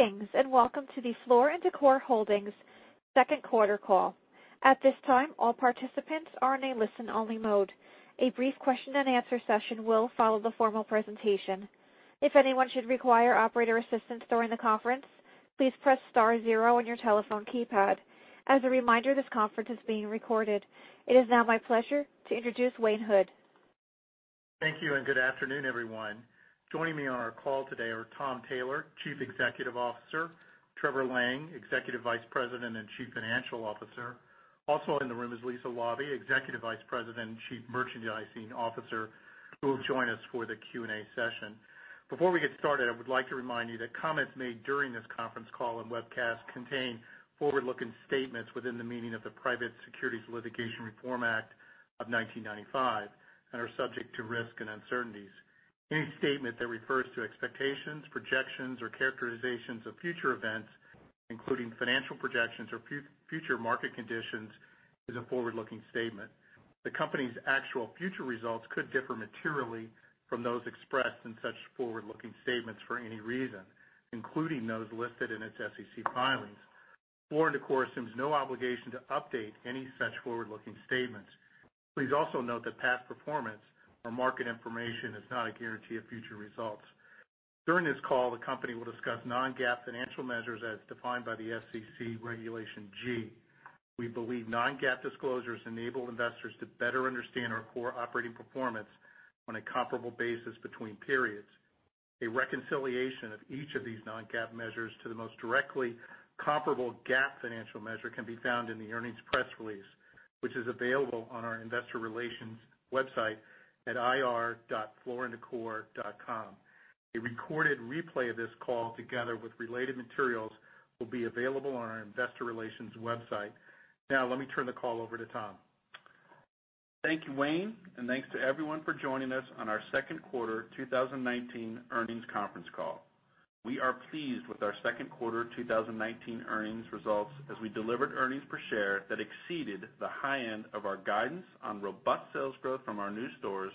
Greetings, welcome to the Floor & Decor Holdings second quarter call. At this time, all participants are in a listen-only mode. A brief question and answer session will follow the formal presentation. If anyone should require operator assistance during the conference, please press star zero on your telephone keypad. As a reminder, this conference is being recorded. It is now my pleasure to introduce Wayne Hood. Thank you, and good afternoon, everyone. Joining me on our call today are Tom Taylor, Chief Executive Officer, Trevor Lang, Executive Vice President and Chief Financial Officer. Also in the room is Lisa Laube, Executive Vice President and Chief Merchandising Officer, who will join us for the Q&A session. Before we get started, I would like to remind you that comments made during this conference call and webcast contain forward-looking statements within the meaning of the Private Securities Litigation Reform Act of 1995 and are subject to risk and uncertainties. Any statement that refers to expectations, projections, or characterizations of future events, including financial projections or future market conditions, is a forward-looking statement. The company's actual future results could differ materially from those expressed in such forward-looking statements for any reason, including those listed in its SEC filings. Floor & Decor assumes no obligation to update any such forward-looking statements. Please also note that past performance or market information is not a guarantee of future results. During this call, the company will discuss non-GAAP financial measures as defined by the SEC Regulation G. We believe non-GAAP disclosures enable investors to better understand our core operating performance on a comparable basis between periods. A reconciliation of each of these non-GAAP measures to the most directly comparable GAAP financial measure can be found in the earnings press release, which is available on our investor relations website at ir.flooranddecor.com. A recorded replay of this call, together with related materials, will be available on our investor relations website. Now, let me turn the call over to Tom. Thank you, Wayne, and thanks to everyone for joining us on our second quarter 2019 earnings conference call. We are pleased with our second quarter 2019 earnings results as we delivered earnings per share that exceeded the high end of our guidance on robust sales growth from our new stores,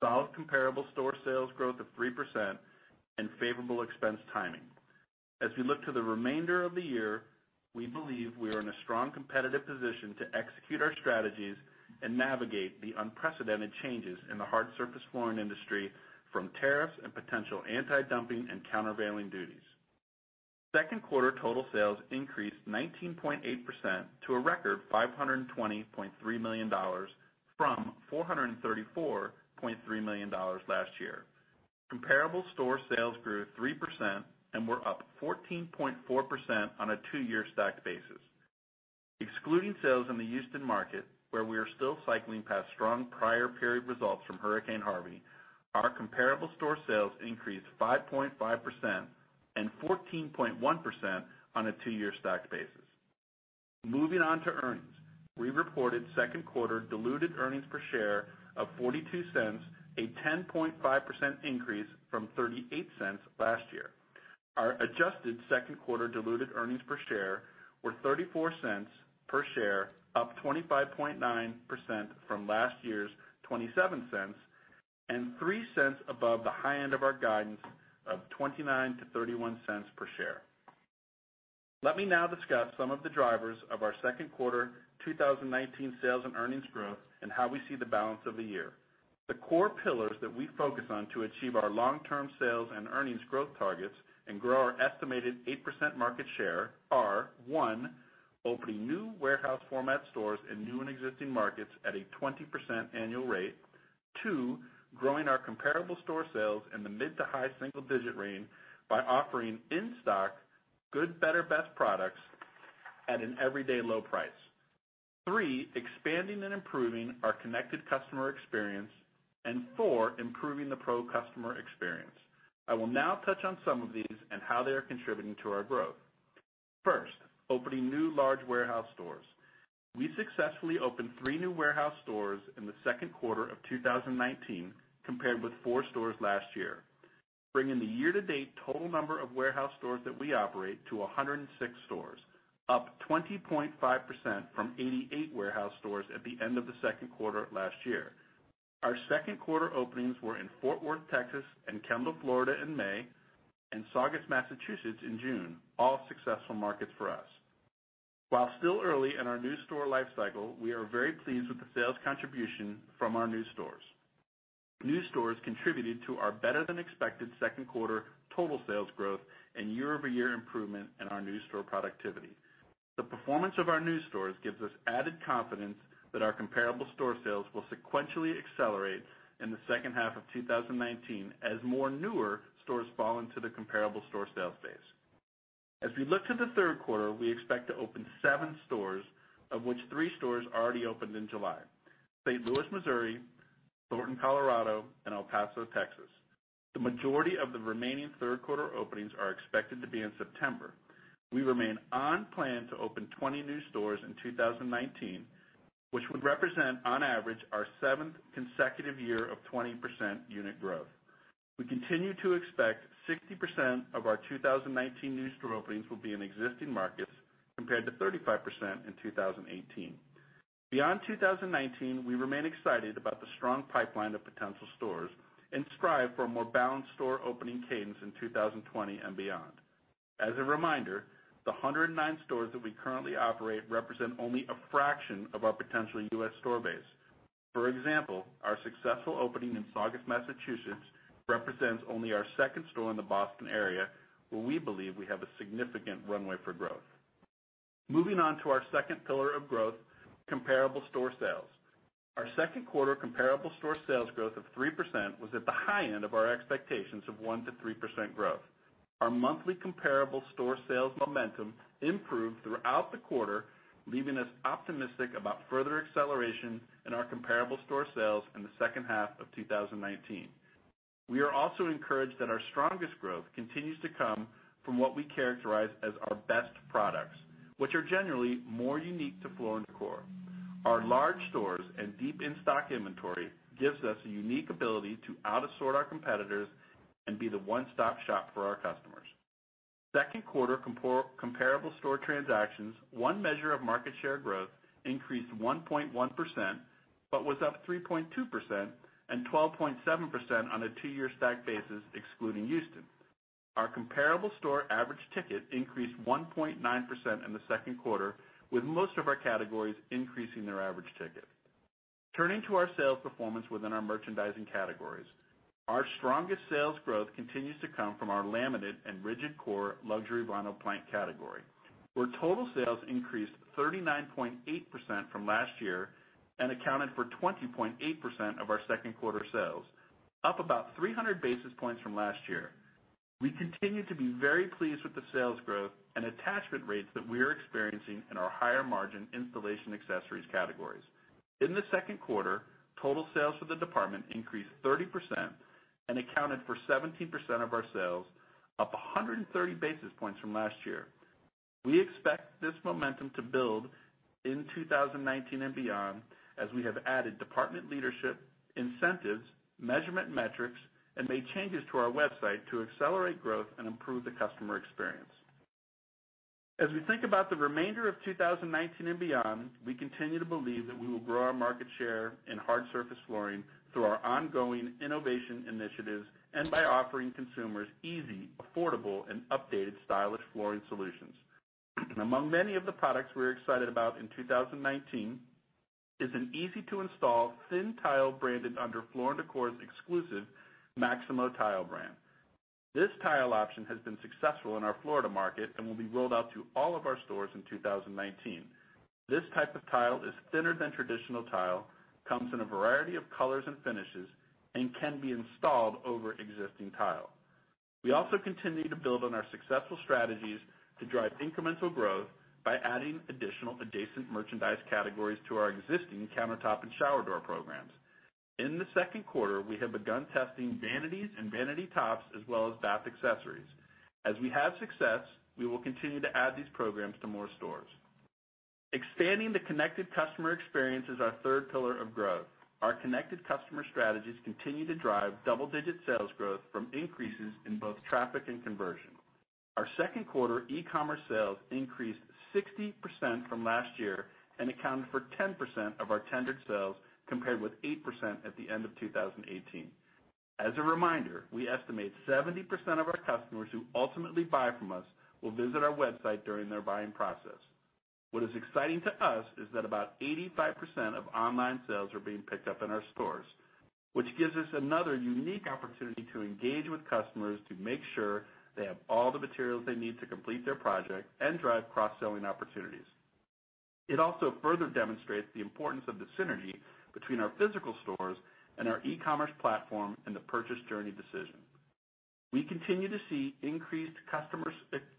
solid comparable store sales growth of 3%, and favorable expense timing. As we look to the remainder of the year, we believe we are in a strong competitive position to execute our strategies and navigate the unprecedented changes in the hard surface flooring industry from tariffs and potential anti-dumping and countervailing duties. Second quarter total sales increased 19.8% to a record $520.3 million from $434.3 million last year. Comparable store sales grew 3% and were up 14.4% on a two-year stacked basis. Excluding sales in the Houston market, where we are still cycling past strong prior period results from Hurricane Harvey, our comparable store sales increased 5.5% and 14.1% on a two-year stacked basis. Moving on to earnings. We reported second quarter diluted earnings per share of $0.42, a 10.5% increase from $0.38 last year. Our adjusted second quarter diluted earnings per share were $0.34 per share, up 25.9% from last year's $0.27, and $0.03 above the high end of our guidance of $0.29-$0.31 per share. Let me now discuss some of the drivers of our second quarter 2019 sales and earnings growth and how we see the balance of the year. The core pillars that we focus on to achieve our long-term sales and earnings growth targets and grow our estimated 8% market share are, one, opening new warehouse format stores in new and existing markets at a 20% annual rate. Two, growing our comparable store sales in the mid to high single-digit range by offering in-stock good, better, best products at an everyday low price. Three, expanding and improving our connected customer experience. Four, improving the pro customer experience. I will now touch on some of these and how they are contributing to our growth. First, opening new large warehouse stores. We successfully opened three new warehouse stores in the second quarter of 2019, compared with four stores last year, bringing the year-to-date total number of warehouse stores that we operate to 106 stores, up 20.5% from 88 warehouse stores at the end of the second quarter last year. Our second quarter openings were in Fort Worth, Texas, and Kendall, Florida, in May, and Saugus, Massachusetts, in June, all successful markets for us. While still early in our new store life cycle, we are very pleased with the sales contribution from our new stores. New stores contributed to our better-than-expected second quarter total sales growth and year-over-year improvement in our new store productivity. The performance of our new stores gives us added confidence that our comparable store sales will sequentially accelerate in the second half of 2019 as more newer stores fall into the comparable store sales base. As we look to the third quarter, we expect to open seven stores, of which three stores already opened in July, St. Louis, Missouri, Thornton, Colorado, and El Paso, Texas. The majority of the remaining third quarter openings are expected to be in September. We remain on plan to open 20 new stores in 2019, which would represent, on average, our seventh consecutive year of 20% unit growth. We continue to expect 60% of our 2019 new store openings will be in existing markets, compared to 35% in 2018. Beyond 2019, we remain excited about the strong pipeline of potential stores and strive for a more balanced store opening cadence in 2020 and beyond. As a reminder, the 109 stores that we currently operate represent only a fraction of our potential U.S. store base. For example, our successful opening in Saugus, Massachusetts, represents only our second store in the Boston area, where we believe we have a significant runway for growth. Moving on to our second pillar of growth, comparable store sales. Our second quarter comparable store sales growth of 3% was at the high end of our expectations of 1%-3% growth. Our monthly comparable store sales momentum improved throughout the quarter, leaving us optimistic about further acceleration in our comparable store sales in the second half of 2019. We are also encouraged that our strongest growth continues to come from what we characterize as our best products, which are generally more unique to Floor & Decor. Our large stores and deep in-stock inventory gives us a unique ability to out-assort our competitors and be the one-stop shop for our customers. Second quarter comparable store transactions, one measure of market share growth, increased 1.1% but was up 3.2% and 12.7% on a two-year stack basis excluding Houston. Our comparable store average ticket increased 1.9% in the second quarter, with most of our categories increasing their average ticket. Turning to our sales performance within our merchandising categories. Our strongest sales growth continues to come from our laminate and rigid core luxury vinyl plank category, where total sales increased 39.8% from last year and accounted for 20.8% of our second quarter sales, up about 300 basis points from last year. We continue to be very pleased with the sales growth and attachment rates that we are experiencing in our higher-margin installation accessories categories. In the second quarter, total sales for the department increased 30% and accounted for 17% of our sales, up 130 basis points from last year. We expect this momentum to build in 2019 and beyond, as we have added department leadership, incentives, measurement metrics, and made changes to our website to accelerate growth and improve the customer experience. As we think about the remainder of 2019 and beyond, we continue to believe that we will grow our market share in hard surface flooring through our ongoing innovation initiatives and by offering consumers easy, affordable, and updated stylish flooring solutions. Among many of the products we're excited about in 2019 is an easy-to-install thin tile branded under Floor & Decor's exclusive Maximo tile brand. This tile option has been successful in our Florida market and will be rolled out to all of our stores in 2019. This type of tile is thinner than traditional tile, comes in a variety of colors and finishes, and can be installed over existing tile. We also continue to build on our successful strategies to drive incremental growth by adding additional adjacent merchandise categories to our existing countertop and shower door programs. In the second quarter, we have begun testing vanities and vanity tops, as well as bath accessories. As we have success, we will continue to add these programs to more stores. Expanding the connected customer experience is our third pillar of growth. Our connected customer strategies continue to drive double-digit sales growth from increases in both traffic and conversion. Our second quarter e-commerce sales increased 60% from last year and accounted for 10% of our tendered sales, compared with 8% at the end of 2018. As a reminder, we estimate 70% of our customers who ultimately buy from us will visit our website during their buying process. What is exciting to us is that about 85% of online sales are being picked up in our stores, which gives us another unique opportunity to engage with customers to make sure they have all the materials they need to complete their project and drive cross-selling opportunities. It also further demonstrates the importance of the synergy between our physical stores and our e-commerce platform in the purchase journey decision. We continue to see increased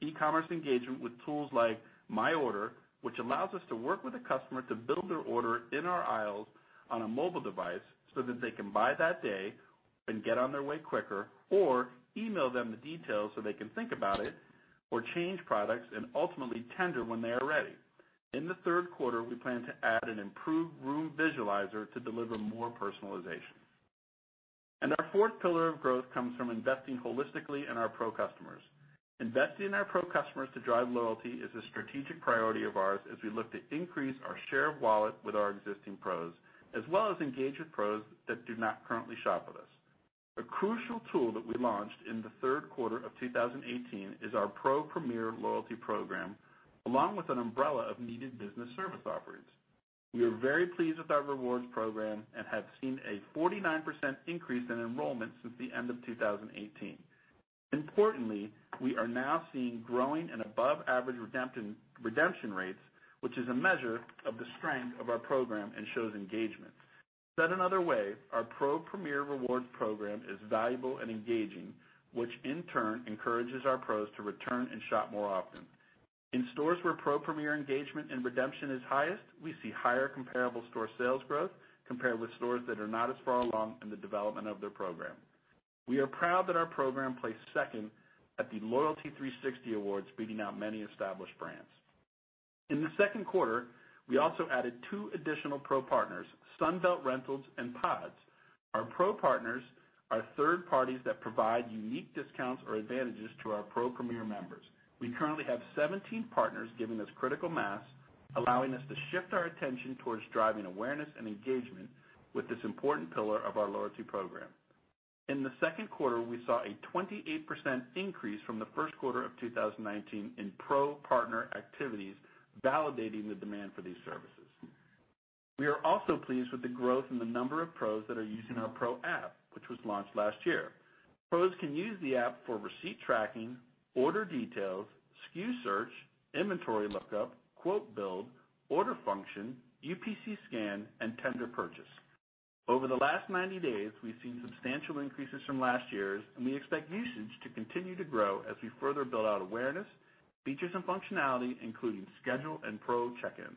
e-commerce engagement with tools like My Order, which allows us to work with a customer to build their order in our aisles on a mobile device so that they can buy that day and get on their way quicker, or email them the details so they can think about it or change products and ultimately tender when they are ready. In the third quarter, we plan to add an improved room visualizer to deliver more personalization. Our fourth pillar of growth comes from investing holistically in our Pro customers. Investing in our Pro customers to drive loyalty is a strategic priority of ours as we look to increase our share of wallet with our existing Pros, as well as engage with Pros that do not currently shop with us. A crucial tool that we launched in the third quarter of 2018 is our Pro Premier Loyalty program, along with an umbrella of needed business service offerings. We are very pleased with our rewards program and have seen a 49% increase in enrollment since the end of 2018. Importantly, we are now seeing growing and above-average redemption rates, which is a measure of the strength of our program and shows engagement. Said another way, our PRO Premier Rewards program is valuable and engaging, which in turn encourages our pros to return and shop more often. In stores where Pro Premier engagement and redemption is highest, we see higher comparable store sales growth compared with stores that are not as far along in the development of their program. We are proud that our program placed second at the Loyalty360 Awards, beating out many established brands. In the second quarter, we also added two additional Pro partners, Sunbelt Rentals and PODS. Our Pro partners are third parties that provide unique discounts or advantages to our Pro Premier members. We currently have 17 partners giving us critical mass, allowing us to shift our attention towards driving awareness and engagement with this important pillar of our loyalty program. In the second quarter, we saw a 28% increase from the first quarter of 2019 in Pro partner activities, validating the demand for these services. We are also pleased with the growth in the number of Pros that are using our Pro app, which was launched last year. Pros can use the app for receipt tracking, order details, SKU search, inventory lookup, quote build, order function, UPC scan, and tender purchase. Over the last 90 days, we've seen substantial increases from last year's, and we expect usage to continue to grow as we further build out awareness, features, and functionality, including schedule and Pro check-in.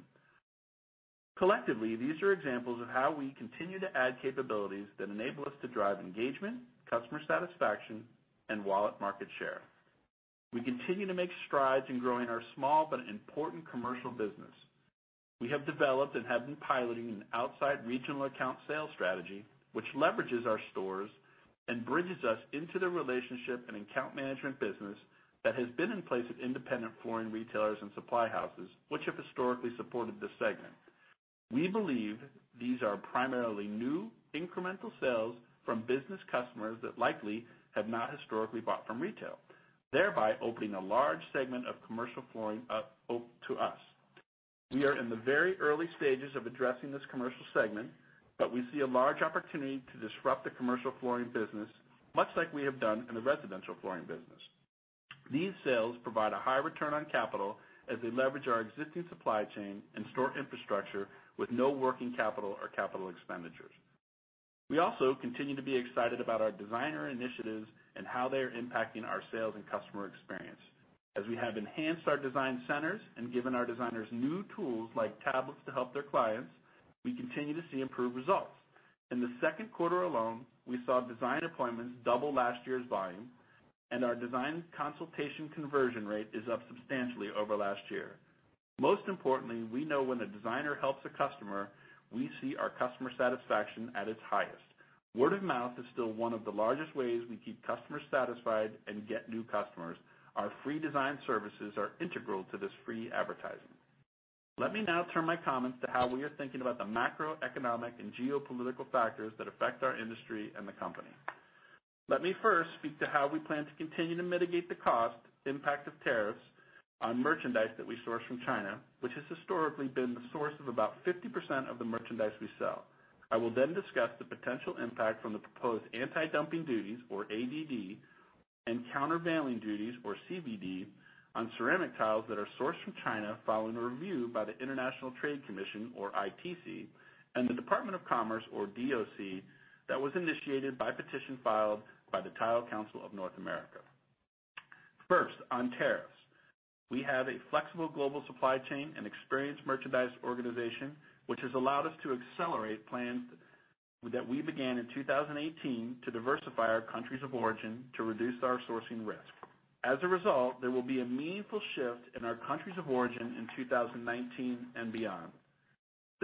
Collectively, these are examples of how we continue to add capabilities that enable us to drive engagement, customer satisfaction, and wallet market share. We continue to make strides in growing our small but important commercial business. We have developed and have been piloting an outside regional account sales strategy, which leverages our stores and bridges us into the relationship and account management business that has been in place at independent flooring retailers and supply houses, which have historically supported this segment. We believe these are primarily new, incremental sales from business customers that likely have not historically bought from retail, thereby opening a large segment of commercial flooring up to us. We are in the very early stages of addressing this commercial segment, but we see a large opportunity to disrupt the commercial flooring business, much like we have done in the residential flooring business. These sales provide a high return on capital as they leverage our existing supply chain and store infrastructure with no working capital or capital expenditures. We also continue to be excited about our designer initiatives and how they are impacting our sales and customer experience. As we have enhanced our design centers and given our designers new tools, like tablets, to help their clients, we continue to see improved results. In the second quarter alone, we saw design appointments double last year's volume, and our design consultation conversion rate is up substantially over last year. Most importantly, we know when a designer helps a customer, we see our customer satisfaction at its highest. Word of mouth is still one of the largest ways we keep customers satisfied and get new customers. Our free design services are integral to this free advertising. Let me now turn my comments to how we are thinking about the macroeconomic and geopolitical factors that affect our industry and the company. Let me first speak to how we plan to continue to mitigate the cost impact of tariffs on merchandise that we source from China, which has historically been the source of about 50% of the merchandise we sell. I will then discuss the potential impact from the proposed anti-dumping duties, or ADD, and countervailing duties, or CVD, on ceramic tiles that are sourced from China following a review by the International Trade Commission, or ITC, and the Department of Commerce, or DOC, that was initiated by a petition filed by the Tile Council of North America. First, on tariffs. We have a flexible global supply chain and experienced merchandise organization, which has allowed us to accelerate plans that we began in 2018 to diversify our countries of origin to reduce our sourcing risk. As a result, there will be a meaningful shift in our countries of origin in 2019 and beyond.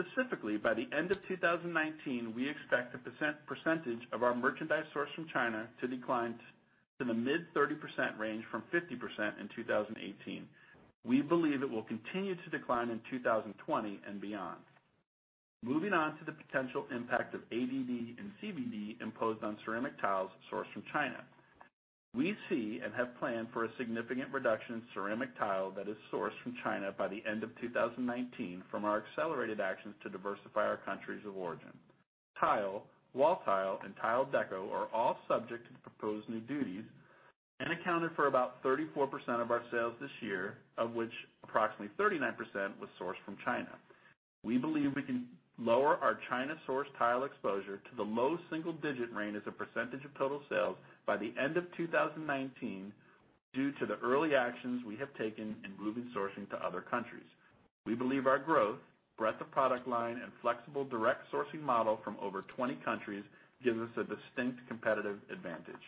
Specifically, by the end of 2019, we expect the percentage of our merchandise sourced from China to decline to the mid-30% range from 50% in 2018. We believe it will continue to decline in 2020 and beyond. Moving on to the potential impact of ADD and CVD imposed on ceramic tiles sourced from China. We see and have planned for a significant reduction in ceramic tile that is sourced from China by the end of 2019 from our accelerated actions to diversify our countries of origin. Tile, wall tile, and tile deco are all subject to the proposed new duties and accounted for about 34% of our sales this year, of which approximately 39% was sourced from China. We believe we can lower our China-sourced tile exposure to the low single-digit range as a percentage of total sales by the end of 2019 due to the early actions we have taken in moving sourcing to other countries. We believe our growth, breadth of product line, and flexible direct sourcing model from over 20 countries gives us a distinct competitive advantage.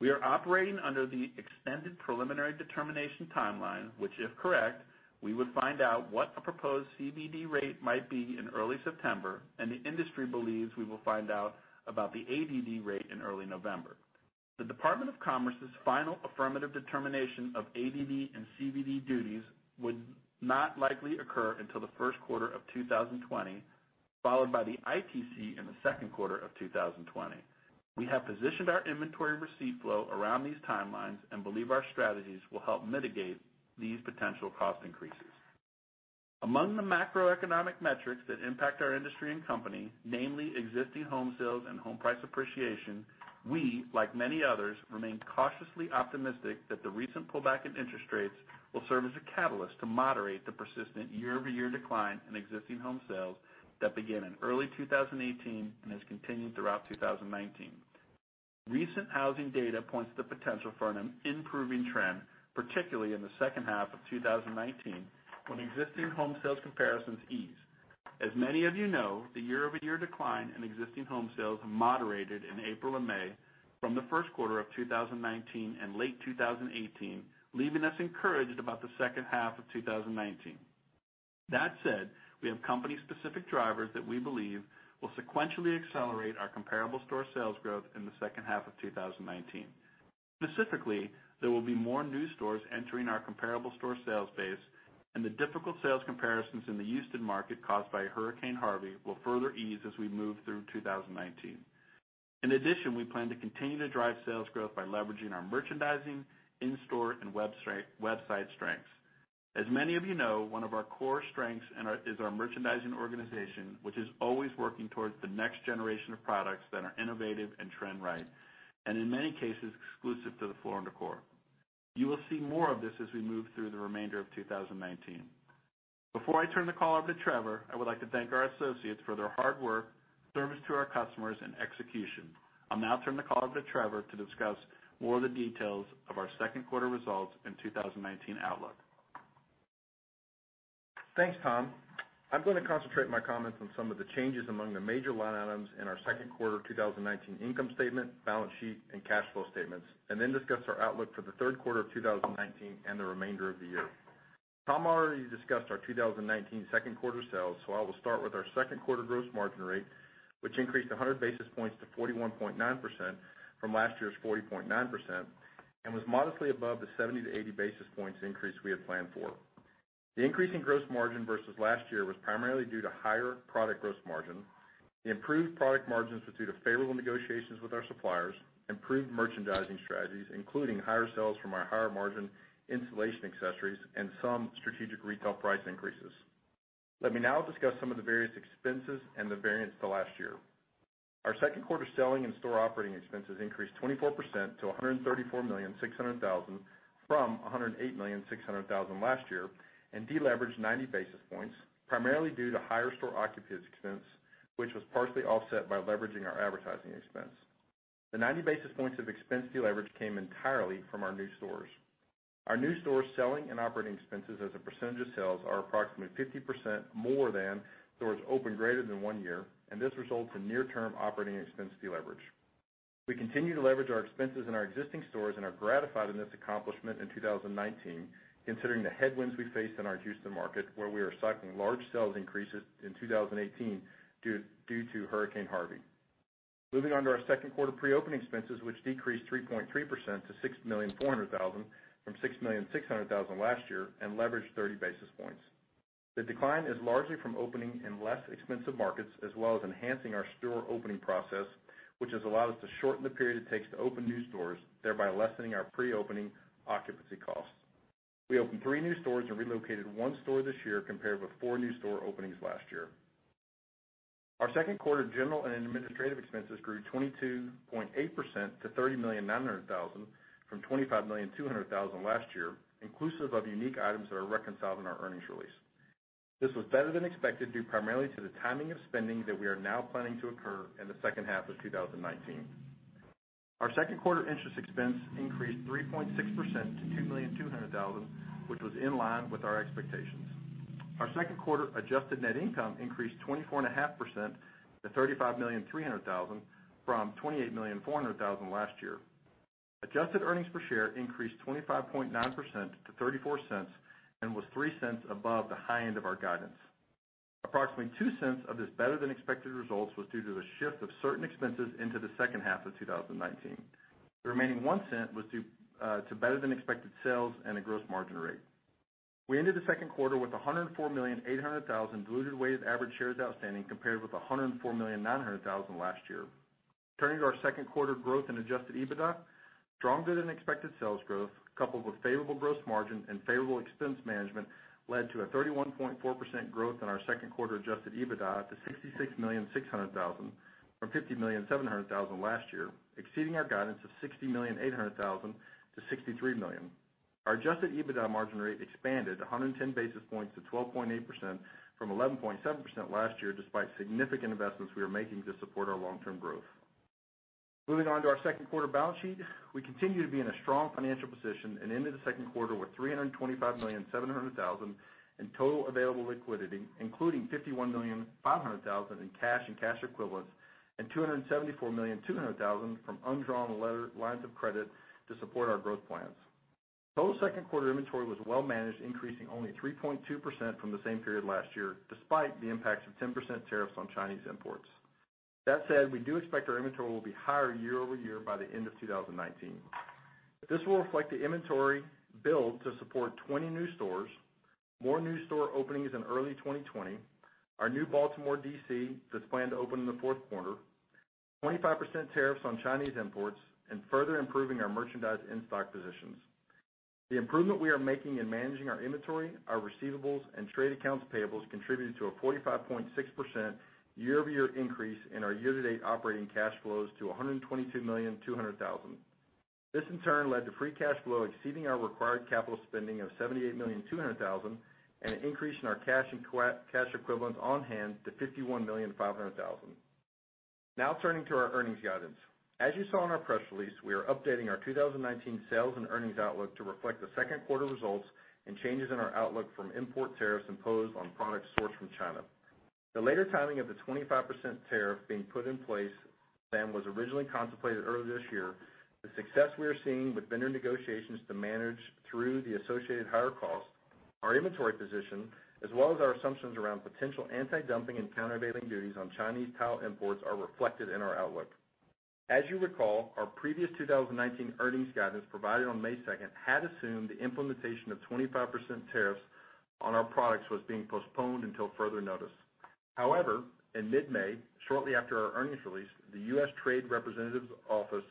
We are operating under the extended preliminary determination timeline, which, if correct, we would find out what a proposed CVD rate might be in early September, and the industry believes we will find out about the ADD rate in early November. The Department of Commerce's final affirmative determination of ADD and CVD duties would not likely occur until the first quarter of 2020, followed by the ITC in the second quarter of 2020. We have positioned our inventory receipt flow around these timelines and believe our strategies will help mitigate these potential cost increases. Among the macroeconomic metrics that impact our industry and company, namely existing home sales and home price appreciation, we, like many others, remain cautiously optimistic that the recent pullback in interest rates will serve as a catalyst to moderate the persistent year-over-year decline in existing home sales that began in early 2018 and has continued throughout 2019. Recent housing data points to the potential for an improving trend, particularly in the second half of 2019, when existing home sales comparisons ease. As many of you know, the year-over-year decline in existing home sales moderated in April and May from the 1st quarter of 2019 and late 2018, leaving us encouraged about the 2nd half of 2019. That said, we have company-specific drivers that we believe will sequentially accelerate our comparable store sales growth in the 2nd half of 2019. Specifically, there will be more new stores entering our comparable store sales base, and the difficult sales comparisons in the Houston market caused by Hurricane Harvey will further ease as we move through 2019. In addition, we plan to continue to drive sales growth by leveraging our merchandising, in-store, and website strengths. As many of you know, one of our core strengths is our merchandising organization, which is always working towards the next generation of products that are innovative and trend-right, and in many cases, exclusive to the Floor & Decor. You will see more of this as we move through the remainder of 2019. Before I turn the call over to Trevor, I would like to thank our associates for their hard work, service to our customers, and execution. I'll now turn the call over to Trevor to discuss more of the details of our second quarter results and 2019 outlook. Thanks, Tom. I'm going to concentrate my comments on some of the changes among the major line items in our second quarter 2019 income statement, balance sheet, and cash flow statements, then discuss our outlook for the third quarter of 2019 and the remainder of the year. Tom already discussed our 2019 second quarter sales, I will start with our second quarter gross margin rate, which increased 100 basis points to 41.9% from last year's 40.9%, was modestly above the 70 to 80 basis points increase we had planned for. The increase in gross margin versus last year was primarily due to higher product gross margin. The improved product margins were due to favorable negotiations with our suppliers, improved merchandising strategies, including higher sales from our higher-margin installation accessories and some strategic retail price increases. Let me now discuss some of the various expenses and the variance to last year. Our second quarter selling and store operating expenses increased 24% to $134,600,000 from $108,600,000 last year, and deleveraged 90 basis points, primarily due to higher store occupancy expense, which was partially offset by leveraging our advertising expense. The 90 basis points of expense deleverage came entirely from our new stores. Our new stores' selling and operating expenses as a percentage of sales are approximately 50% more than stores open greater than one year, and this results in near-term operating expense deleverage. We continue to leverage our expenses in our existing stores and are gratified in this accomplishment in 2019, considering the headwinds we faced in our Houston market, where we are cycling large sales increases in 2018 due to Hurricane Harvey. Moving on to our second quarter pre-opening expenses, which decreased 3.3% to $6,400,000 from $6,600,000 last year and leveraged 30 basis points. The decline is largely from opening in less expensive markets, as well as enhancing our store opening process, which has allowed us to shorten the period it takes to open new stores, thereby lessening our pre-opening occupancy costs. We opened three new stores and relocated one store this year compared with four new store openings last year. Our second quarter general and administrative expenses grew 22.8% to $30,900,000 from $25,200,000 last year, inclusive of unique items that are reconciled in our earnings release. This was better than expected due primarily to the timing of spending that we are now planning to occur in the second half of 2019. Our second quarter interest expense increased 3.6% to $2,200,000, which was in line with our expectations. Our second quarter adjusted net income increased 24.5% to $35,300,000 from $28,400,000 last year. Adjusted earnings per share increased 25.9% to $0.34 and was $0.03 above the high end of our guidance. Approximately $0.02 of this better-than-expected results was due to the shift of certain expenses into the second half of 2019. The remaining $0.01 was due to better-than-expected sales and a gross margin rate. We ended the second quarter with 104,800,000 diluted weighted average shares outstanding, compared with 104,900,000 last year. Turning to our second quarter growth and adjusted EBITDA, stronger-than-expected sales growth, coupled with favorable gross margin and favorable expense management led to a 31.4% growth in our second quarter adjusted EBITDA to $66,600,000 from $50,700,000 last year, exceeding our guidance of $60,800,000 to $63 million. Our adjusted EBITDA margin rate expanded 110 basis points to 12.8% from 11.7% last year, despite significant investments we are making to support our long-term growth. Moving on to our second quarter balance sheet, we continue to be in a strong financial position and ended the second quarter with $325,700,000 in total available liquidity, including $51,500,000 in cash and cash equivalents and $274,200,000 from undrawn lines of credit to support our growth plans. Total second-quarter inventory was well managed, increasing only 3.2% from the same period last year, despite the impacts of 10% tariffs on Chinese imports. That said, we do expect our inventory will be higher year-over-year by the end of 2019. This will reflect the inventory build to support 20 new stores, more new store openings in early 2020, our new Baltimore DC that's planned to open in the fourth quarter, 25% tariffs on Chinese imports, and further improving our merchandise in-stock positions. The improvement we are making in managing our inventory, our receivables, and trade accounts payables contributed to a 45.6% year-over-year increase in our year-to-date operating cash flows to $122,200,000. This in turn led to free cash flow exceeding our required capital spending of $78,200,000 and an increase in our cash and cash equivalents on hand to $51,500,000. Turning to our earnings guidance. As you saw in our press release, we are updating our 2019 sales and earnings outlook to reflect the second quarter results and changes in our outlook from import tariffs imposed on products sourced from China. The later timing of the 25% tariff being put in place than was originally contemplated earlier this year, the success we are seeing with vendor negotiations to manage through the associated higher cost, our inventory position, as well as our assumptions around potential anti-dumping and countervailing duties on Chinese tile imports are reflected in our outlook. As you recall, our previous 2019 earnings guidance provided on May 2nd had assumed the implementation of 25% tariffs on our products was being postponed until further notice. In mid-May, shortly after our earnings release, the U.S. Trade Representative's Office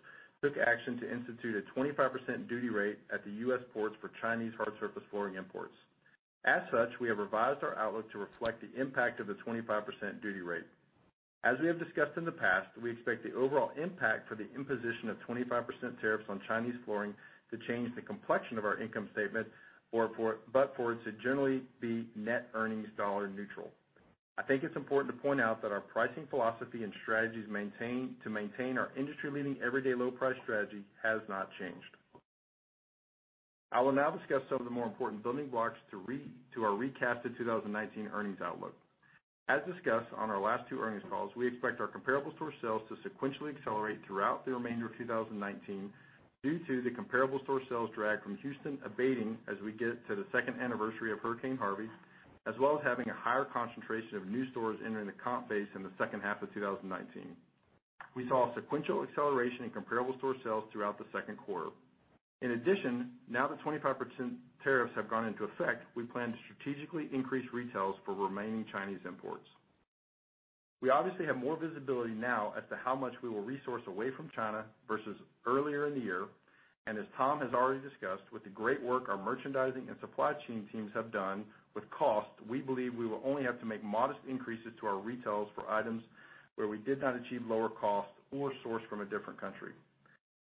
took action to institute a 25% duty rate at the U.S. ports for Chinese hard surface flooring imports. As such, we have revised our outlook to reflect the impact of the 25% duty rate. As we have discussed in the past, we expect the overall impact for the imposition of 25% tariffs on Chinese flooring to change the complexion of our income statement, but for it to generally be net earnings dollar neutral. I think it's important to point out that our pricing philosophy and strategies to maintain our industry-leading everyday low price strategy has not changed. I will now discuss some of the more important building blocks to our recasted 2019 earnings outlook. As discussed on our last two earnings calls, we expect our comparable store sales to sequentially accelerate throughout the remainder of 2019 due to the comparable store sales drag from Houston abating as we get to the second anniversary of Hurricane Harvey, as well as having a higher concentration of new stores entering the comp base in the second half of 2019. We saw a sequential acceleration in comparable store sales throughout the second quarter. Now that 25% tariffs have gone into effect, we plan to strategically increase retails for remaining Chinese imports. We obviously have more visibility now as to how much we will resource away from China versus earlier in the year. As Tom has already discussed with the great work our merchandising and supply chain teams have done with cost, we believe we will only have to make modest increases to our retails for items where we did not achieve lower cost or source from a different country.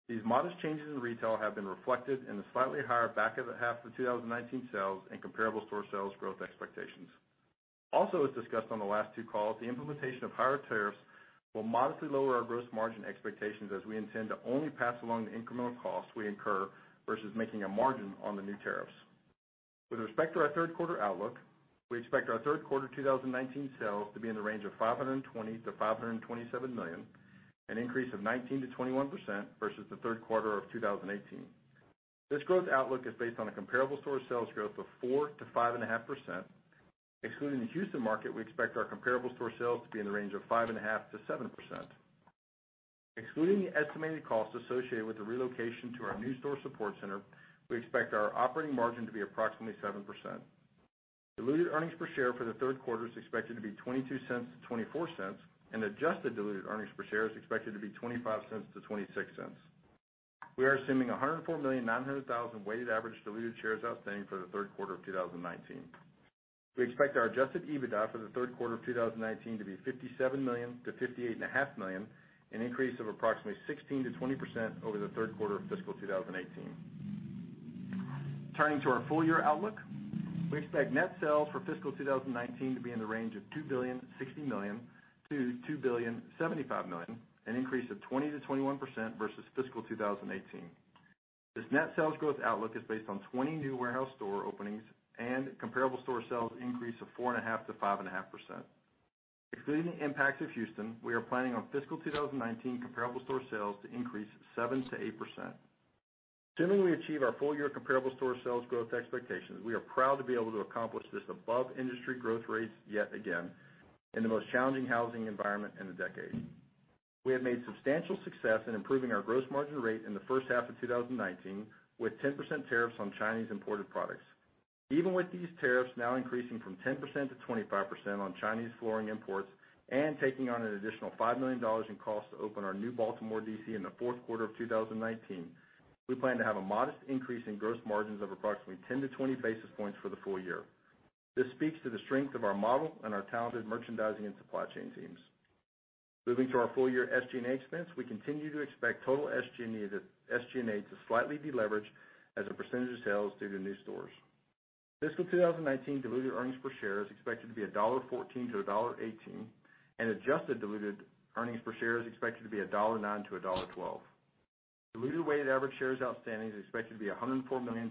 These modest changes in retail have been reflected in the slightly higher back of the half of 2019 sales and comparable store sales growth expectations. As discussed on the last two calls, the implementation of higher tariffs will modestly lower our gross margin expectations as we intend to only pass along the incremental costs we incur versus making a margin on the new tariffs. With respect to our third quarter outlook, we expect our third quarter 2019 sales to be in the range of $520 million-$527 million, an increase of 19%-21% versus the third quarter of 2018. This growth outlook is based on a comparable store sales growth of 4%-5.5%. Excluding the Houston market, we expect our comparable store sales to be in the range of 5.5%-7%. Excluding the estimated cost associated with the relocation to our new store support center, we expect our operating margin to be approximately 7%. Diluted earnings per share for the third quarter is expected to be $0.22 to $0.24, and adjusted diluted earnings per share is expected to be $0.25 to $0.26. We are assuming 104,900,000 weighted average diluted shares outstanding for the third quarter of 2019. We expect our adjusted EBITDA for the third quarter of 2019 to be $57 million to $58.5 million, an increase of approximately 16%-20% over the third quarter of fiscal 2018. Turning to our full-year outlook, we expect net sales for fiscal 2019 to be in the range of $2.06 billion to $2.075 billion, an increase of 20%-21% versus fiscal 2018. This net sales growth outlook is based on 20 new warehouse store openings and comparable store sales increase of 4.5%-5.5%. Excluding the impact of Houston, we are planning on fiscal 2019 comparable store sales to increase 7%-8%. Assuming we achieve our full-year comparable store sales growth expectations, we are proud to be able to accomplish this above industry growth rates yet again in the most challenging housing environment in a decade. We have made substantial success in improving our gross margin rate in the first half of 2019 with 10% tariffs on Chinese imported products. Even with these tariffs now increasing from 10% to 25% on Chinese flooring imports and taking on an additional $5 million in costs to open our new Baltimore DC in the fourth quarter of 2019, we plan to have a modest increase in gross margins of approximately 10 to 20 basis points for the full year. This speaks to the strength of our model and our talented merchandising and supply chain teams. Moving to our full-year SG&A expense, we continue to expect total SG&A to slightly de-leverage as a percentage of sales due to new stores. Fiscal 2019 diluted earnings per share is expected to be $1.14-$1.18, and adjusted diluted earnings per share is expected to be $1.09-$1.12. Diluted weighted average shares outstanding is expected to be 104,700,000,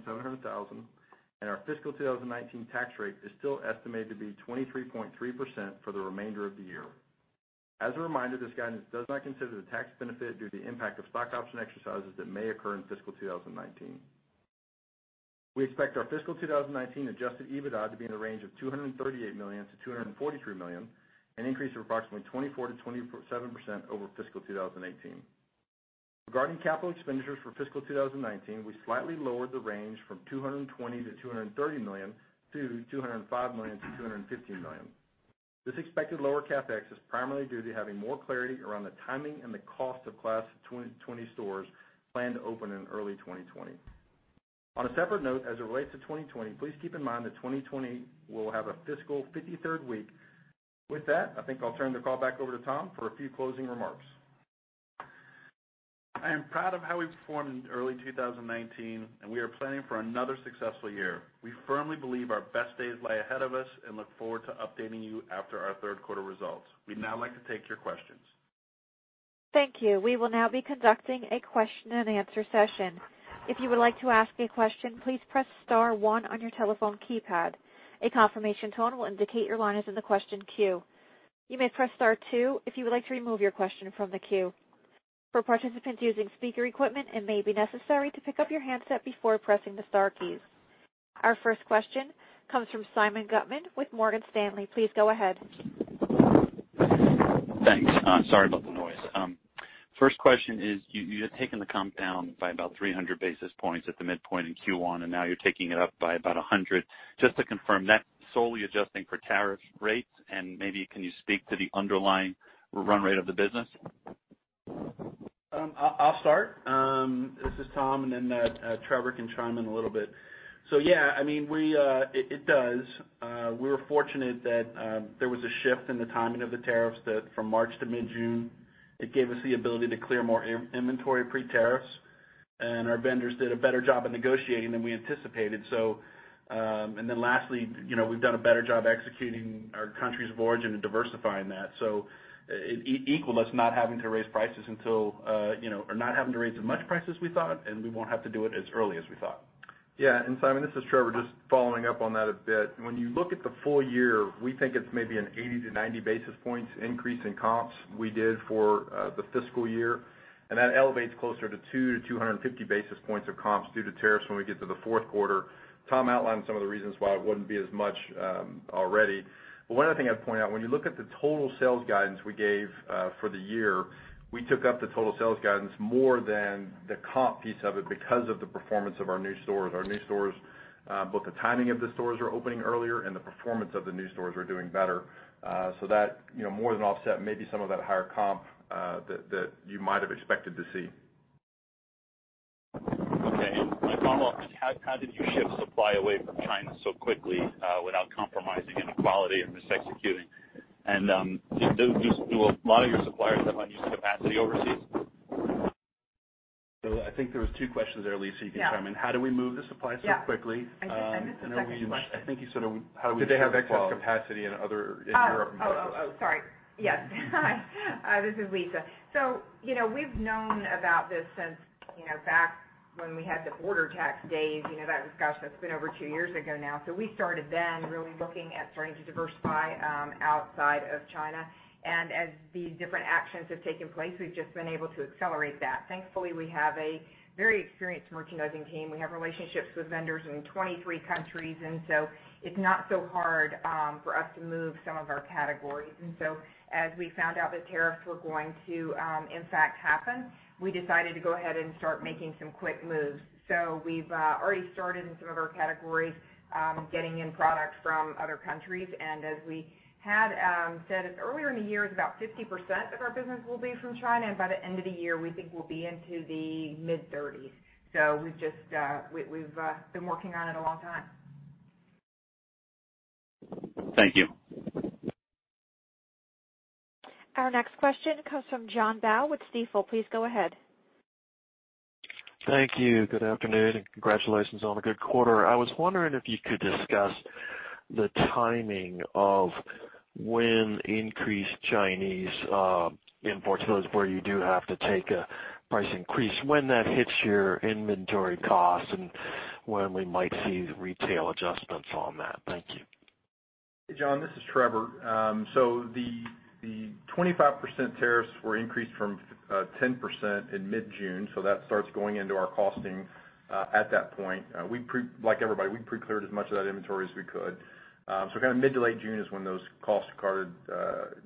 and our fiscal 2019 tax rate is still estimated to be 23.3% for the remainder of the year. As a reminder, this guidance does not consider the tax benefit due to the impact of stock option exercises that may occur in fiscal 2019. We expect our fiscal 2019 adjusted EBITDA to be in the range of $238 million-$243 million, an increase of approximately 24%-27% over fiscal 2018. Regarding capital expenditures for fiscal 2019, we slightly lowered the range from $220 million-$230 million to $205 million-$215 million. This expected lower CapEx is primarily due to having more clarity around the timing and the cost of class 2020 stores planned to open in early 2020. On a separate note, as it relates to 2020, please keep in mind that 2020 will have a fiscal 53rd week. With that, I think I'll turn the call back over to Tom for a few closing remarks. I am proud of how we've performed in early 2019, and we are planning for another successful year. We firmly believe our best days lie ahead of us and look forward to updating you after our third quarter results. We'd now like to take your questions. Thank you. We will now be conducting a question and answer session. If you would like to ask a question, please press star one on your telephone keypad. A confirmation tone will indicate your line is in the question queue. You may press star two if you would like to remove your question from the queue. For participants using speaker equipment, it may be necessary to pick up your handset before pressing the star keys. Our first question comes from Simeon Gutman with Morgan Stanley. Please go ahead. Thanks. Sorry about the noise. First question is, you had taken the comp down by about 300 basis points at the midpoint in Q1. Now you're taking it up by about 100. Just to confirm, that's solely adjusting for tariff rates? Maybe can you speak to the underlying run rate of the business? I'll start. This is Tom. Trevor can chime in a little bit. Yeah, it does. We were fortunate that there was a shift in the timing of the tariffs that from March to mid-June, it gave us the ability to clear more inventory pre-tariffs. Our vendors did a better job of negotiating than we anticipated. Lastly, we've done a better job executing our countries of origin and diversifying that. It equaled us not having to raise as much prices we thought, and we won't have to do it as early as we thought. Yeah. Simeon, this is Trevor, just following up on that a bit. When you look at the full year, we think it's maybe an 80 to 90 basis points increase in comps we did for the fiscal year, and that elevates closer to 200 to 250 basis points of comps due to tariffs when we get to the fourth quarter. Tom outlined some of the reasons why it wouldn't be as much already. One other thing I'd point out, when you look at the total sales guidance we gave for the year, we took up the total sales guidance more than the comp piece of it because of the performance of our new stores. Our new stores, both the timing of the stores are opening earlier and the performance of the new stores are doing better. That more than offset maybe some of that higher comp that you might have expected to see. Okay. Tom, how did you shift supply away from China so quickly without compromising on quality and just executing? Do a lot of your suppliers have unused capacity overseas? I think there was two questions there, Lisa. Yeah you can chime in. How do we move the supply so quickly? Yeah. I missed the second question. I think you said how we. Did they have excess capacity in Europe and? Oh, sorry. Yes. Hi, this is Lisa. We've known about this since back when we had the border tax days, that discussion, it's been over two years ago now. We started then, really looking at starting to diversify outside of China. As the different actions have taken place, we've just been able to accelerate that. Thankfully, we have a very experienced merchandising team. We have relationships with vendors in 23 countries, and so it's not so hard for us to move some of our categories. As we found out that tariffs were going to, in fact, happen, we decided to go ahead and start making some quick moves. We've already started in some of our categories, getting in product from other countries. As we had said earlier in the year, about 50% of our business will be from China, and by the end of the year, we think we'll be into the mid-30s. We've been working on it a long time. Thank you. Our next question comes from John Baugh with Stifel. Please go ahead. Thank you. Good afternoon, congratulations on a good quarter. I was wondering if you could discuss the timing of when increased Chinese imports, where you do have to take a price increase, when that hits your inventory cost and when we might see retail adjustments on that. Thank you. Hey, John, this is Trevor. The 25% tariffs were increased from 10% in mid-June. That starts going into our costing at that point. Like everybody, we pre-cleared as much of that inventory as we could. Mid to late June is when those costs started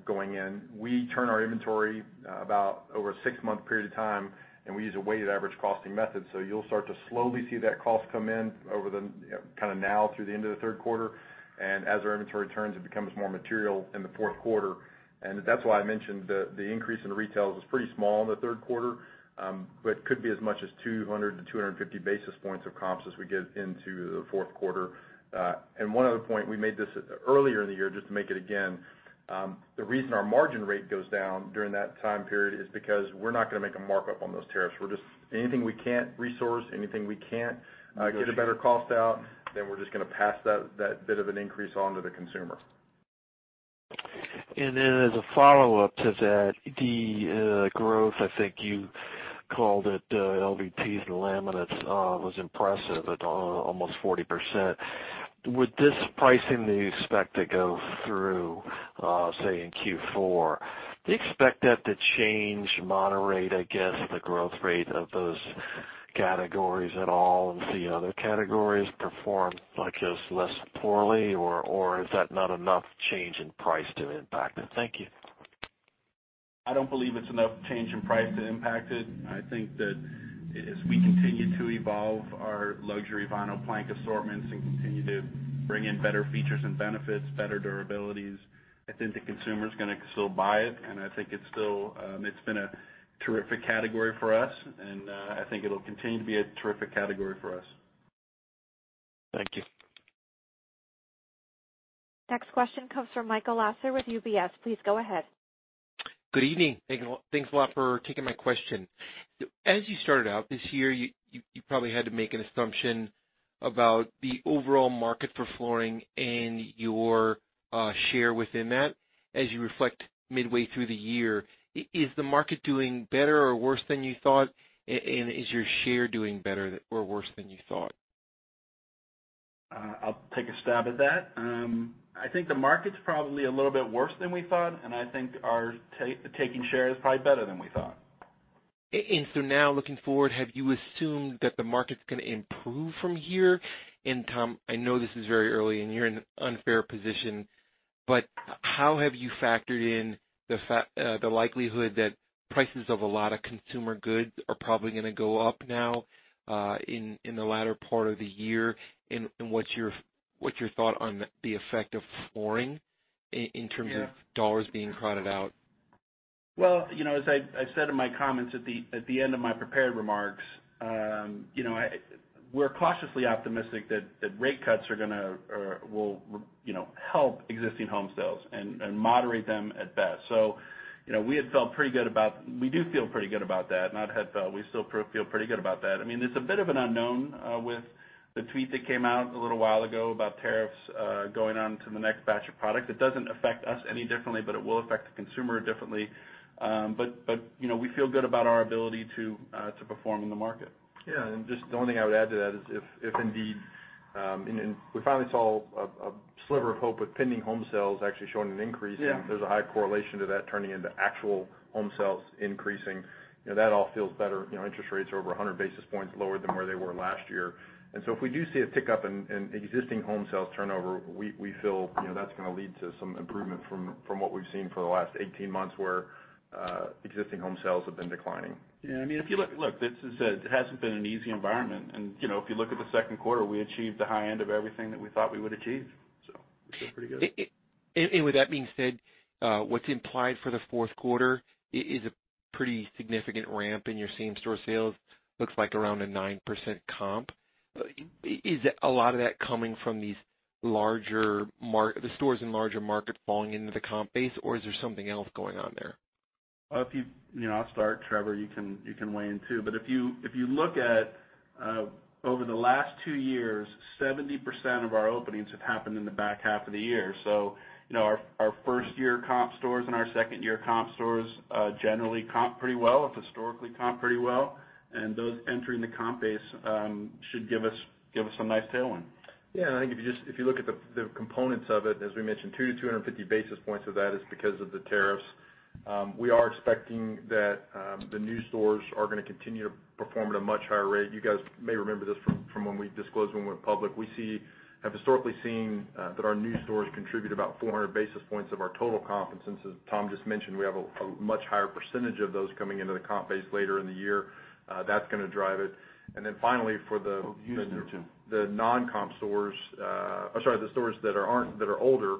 going in. We turn our inventory about over a six-month period of time, and we use a weighted average costing method. You'll start to slowly see that cost come in kind of now through the end of the third quarter. As our inventory turns, it becomes more material in the fourth quarter. That's why I mentioned the increase in retails was pretty small in the third quarter, but could be as much as 200-250 basis points of comps as we get into the fourth quarter. One other point, we made this earlier in the year, just to make it again. The reason our margin rate goes down during that time period is because we're not going to make a markup on those tariffs. Anything we can't resource, anything we can't get a better cost out, then we're just going to pass that bit of an increase on to the consumer. As a follow-up to that, the growth, I think you called it LVTs and laminates, was impressive at almost 40%. With this pricing that you expect to go through, say, in Q4, do you expect that to change, moderate, I guess, the growth rate of those categories at all and see other categories perform less poorly, or is that not enough change in price to impact it? Thank you. I don't believe it's enough change in price to impact it. I think that as we continue to evolve our luxury vinyl plank assortments and continue to bring in better features and benefits, better durabilities, I think the consumer's going to still buy it. I think it's been a terrific category for us, and I think it'll continue to be a terrific category for us. Thank you. Next question comes from Michael Lasser with UBS. Please go ahead. Good evening. Thanks a lot for taking my question. As you started out this year, you probably had to make an assumption about the overall market for flooring and your share within that. As you reflect midway through the year, is the market doing better or worse than you thought? Is your share doing better or worse than you thought? I'll take a stab at that. I think the market's probably a little bit worse than we thought, and I think our taking share is probably better than we thought. Now looking forward, have you assumed that the market's going to improve from here? Tom, I know this is very early, and you're in an unfair position, but how have you factored in the likelihood that prices of a lot of consumer goods are probably going to go up now in the latter part of the year, and what's your thought on the effect of flooring in terms of Yeah dollars being crowded out? Well, as I said in my comments at the end of my prepared remarks, we're cautiously optimistic that rate cuts will help existing home sales and moderate them at best. We do feel pretty good about that. We still feel pretty good about that. It's a bit of an unknown with the tweet that came out a little while ago about tariffs going on to the next batch of product. It doesn't affect us any differently, but it will affect the consumer differently. We feel good about our ability to perform in the market. Yeah, and just the only thing I would add to that is if indeed. We finally saw a sliver of hope with pending home sales actually showing an increase. Yeah There's a high correlation to that turning into actual home sales increasing. That all feels better. Interest rates are over 100 basis points lower than where they were last year. If we do see a tick-up in existing home sales turnover, we feel that's going to lead to some improvement from what we've seen for the last 18 months where existing home sales have been declining. Yeah. Look, as I said, it hasn't been an easy environment. If you look at the second quarter, we achieved the high end of everything that we thought we would achieve. We feel pretty good. With that being said, what's implied for the fourth quarter is a pretty significant ramp in your same store sales. Looks like around a 9% comp. Is a lot of that coming from the stores in larger markets falling into the comp base, or is there something else going on there? I'll start, Trevor, you can weigh in, too. If you look at over the last two years, 70% of our openings have happened in the back half of the year. Our first-year comp stores and our second-year comp stores generally comp pretty well, have historically comped pretty well, and those entering the comp base should give us a nice tailwind. Yeah, I think if you look at the components of it, as we mentioned, two to 250 basis points of that is because of the tariffs. We are expecting that the new stores are going to continue to perform at a much higher rate. You guys may remember this from when we disclosed when we went public. We have historically seen that our new stores contribute about 400 basis points of our total comp. Since, as Tom just mentioned, we have a much higher percentage of those coming into the comp base later in the year, that's going to drive it. Oh, Houston too. The non-comp stores I'm sorry, the stores that are older,